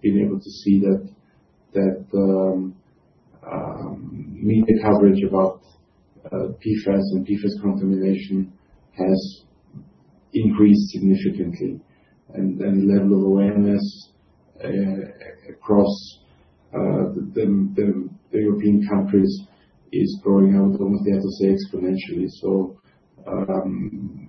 been able to see that media coverage about PFAS and PFAS contamination has increased significantly. The level of awareness across the European countries is growing out almost, I have to say, exponentially.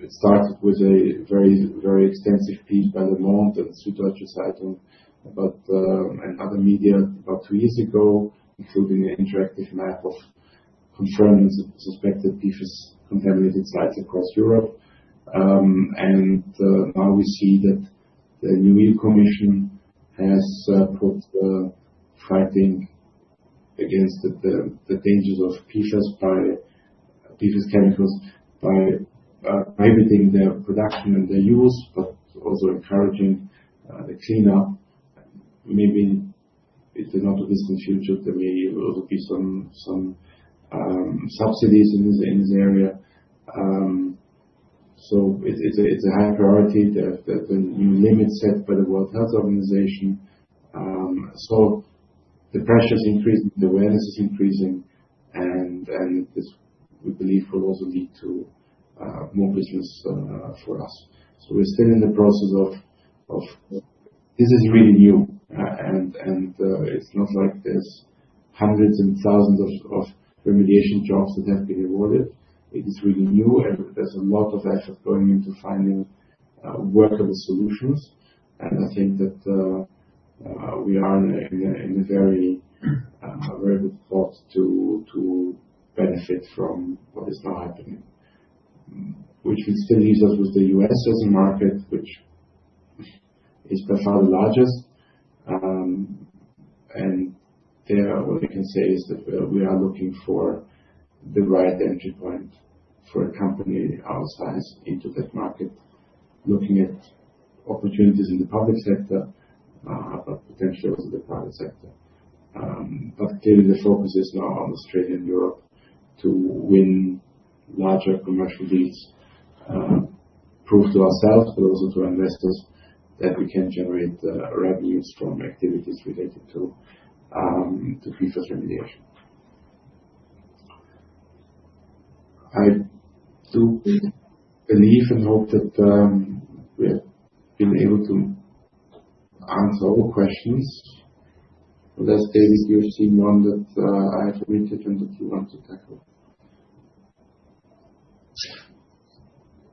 It started with a very extensive piece by Le Monde and Süddeutsche Zeitung, and other media about two years ago, including an interactive map of confirmed and suspected PFAS contaminated sites across Europe. Now we see that the New Year Commission has put fighting against the dangers of PFAS chemicals by limiting their production and their use, but also encouraging the cleanup. Maybe in the not-too-distant future, there may also be some subsidies in this area. It is a high priority that the new limit set by the World Health Organization. The pressure is increasing, the awareness is increasing. This we believe will also lead to more business for us. We are still in the process of this. This is really new, and it is not like there are hundreds and thousands of remediation jobs that have been awarded. It is really new, and there is a lot of effort going into finding workable solutions. I think that we are in a very, very good spot to benefit from what is now happening, which will still leave us with the U.S. as a market, which is by far the largest. What I can say is that we are looking for the right entry point for a company our size into that market, looking at opportunities in the public sector, but potentially also the private sector. Clearly the focus is now on Australia and Europe to win larger commercial deals, prove to ourselves, but also to our investors that we can generate revenues from activities related to PFAS remediation. I do believe and hope that we have been able to answer all the questions. Will there still be a QFC one that I have omitted and that you want to tackle?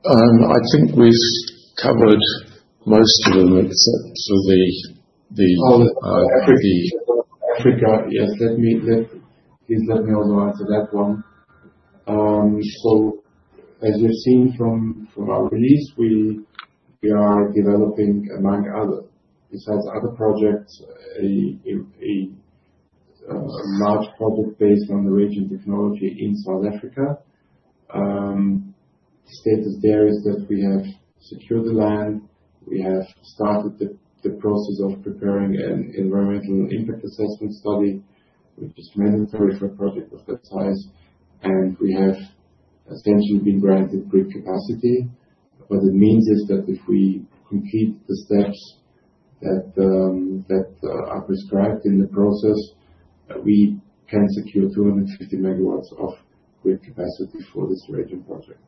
I think we've covered most of them except for the Africa. Yes. Let me, please let me also answer that one. As you've seen from our release, we are developing, among other, besides other projects, a large project based on the region technology in South Africa. The status there is that we have secured the land. We have started the process of preparing an environmental impact assessment study, which is mandatory for a project of that size. We have essentially been granted grid capacity. What it means is that if we complete the steps that are prescribed in the process, we can secure 250 MW of grid capacity for this region project.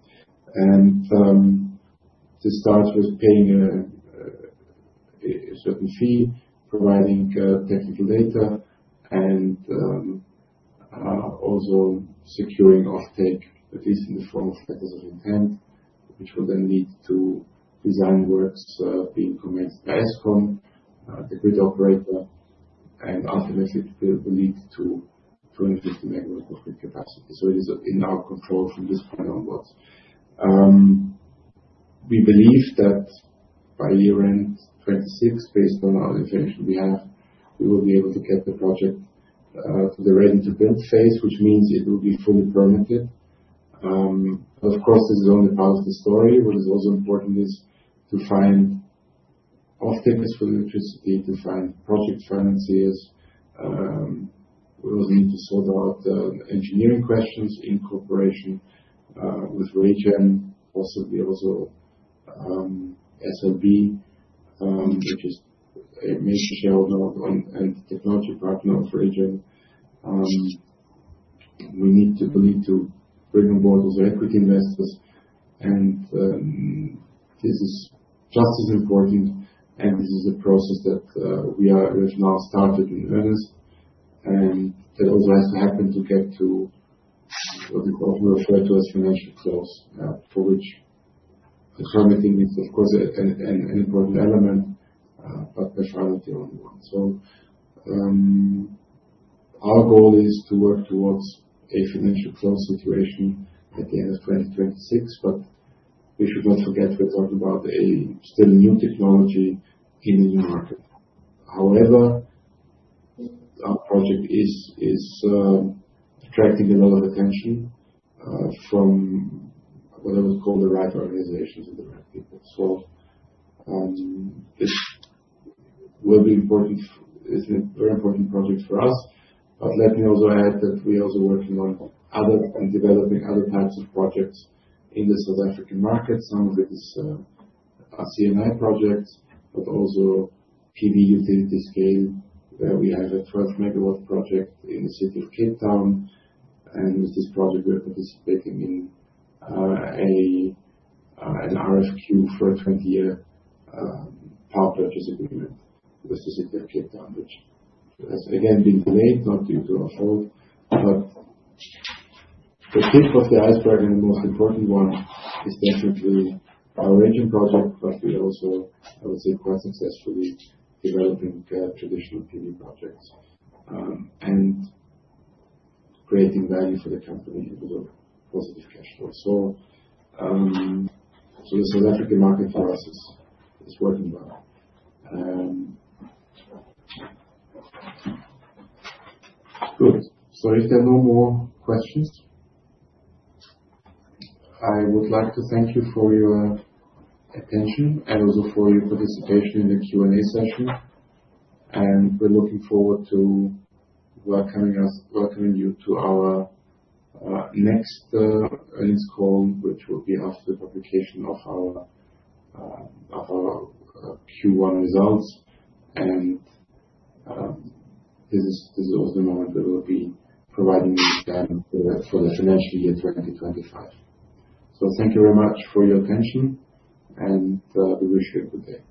This starts with paying a certain fee, providing technical data, and also securing offtake, at least in the form of letters of intent, which will then lead to design works being commenced by ESKOM, the grid operator, and ultimately will lead to 250 MW of grid capacity. It is in our control from this point onwards. We believe that by year end 2026, based on our information we have, we will be able to get the project to the ready-to-build phase, which means it will be fully permitted. Of course, this is only part of the story. What is also important is to find off-takers for electricity, to find project financiers. We also need to sort out engineering questions in cooperation with Renergen, possibly also SLB, which is a major shareholder and technology partner of Renergen. We need to bring on board also equity investors. This is just as important. This is the process that we have now started in earnest. That also has to happen to get to what we refer to as financial close, for which the permitting is of course an important element, but by far not the only one. Our goal is to work towards a financial close situation at the end of 2026. We should not forget we are talking about a still new technology in a new market. However, our project is attracting a lot of attention from what I would call the right organizations and the right people. This will be important, is a very important project for us. Let me also add that we are also working on and developing other types of projects in the South African market. Some of it is our C&I projects, but also PV utility scale where we have a 12 MW project in the city of Cape Town. With this project, we're participating in an RFQ for a 20-year power purchase agreement with the city of Cape Town, which has again been delayed, not due to our fault. The tip of the iceberg and the most important one is definitely our Renergen project, but we also, I would say, are quite successfully developing traditional PV projects and creating value for the company and also positive cash flow. The South African market for us is working well. Good. If there are no more questions, I would like to thank you for your attention and also for your participation in the Q&A session. We are looking forward to welcoming you to our next earnings call, which will be after the publication of our Q1 results. This is also the moment that we will be providing you the time for the financial year 2025. Thank you very much for your attention. We wish you a good day.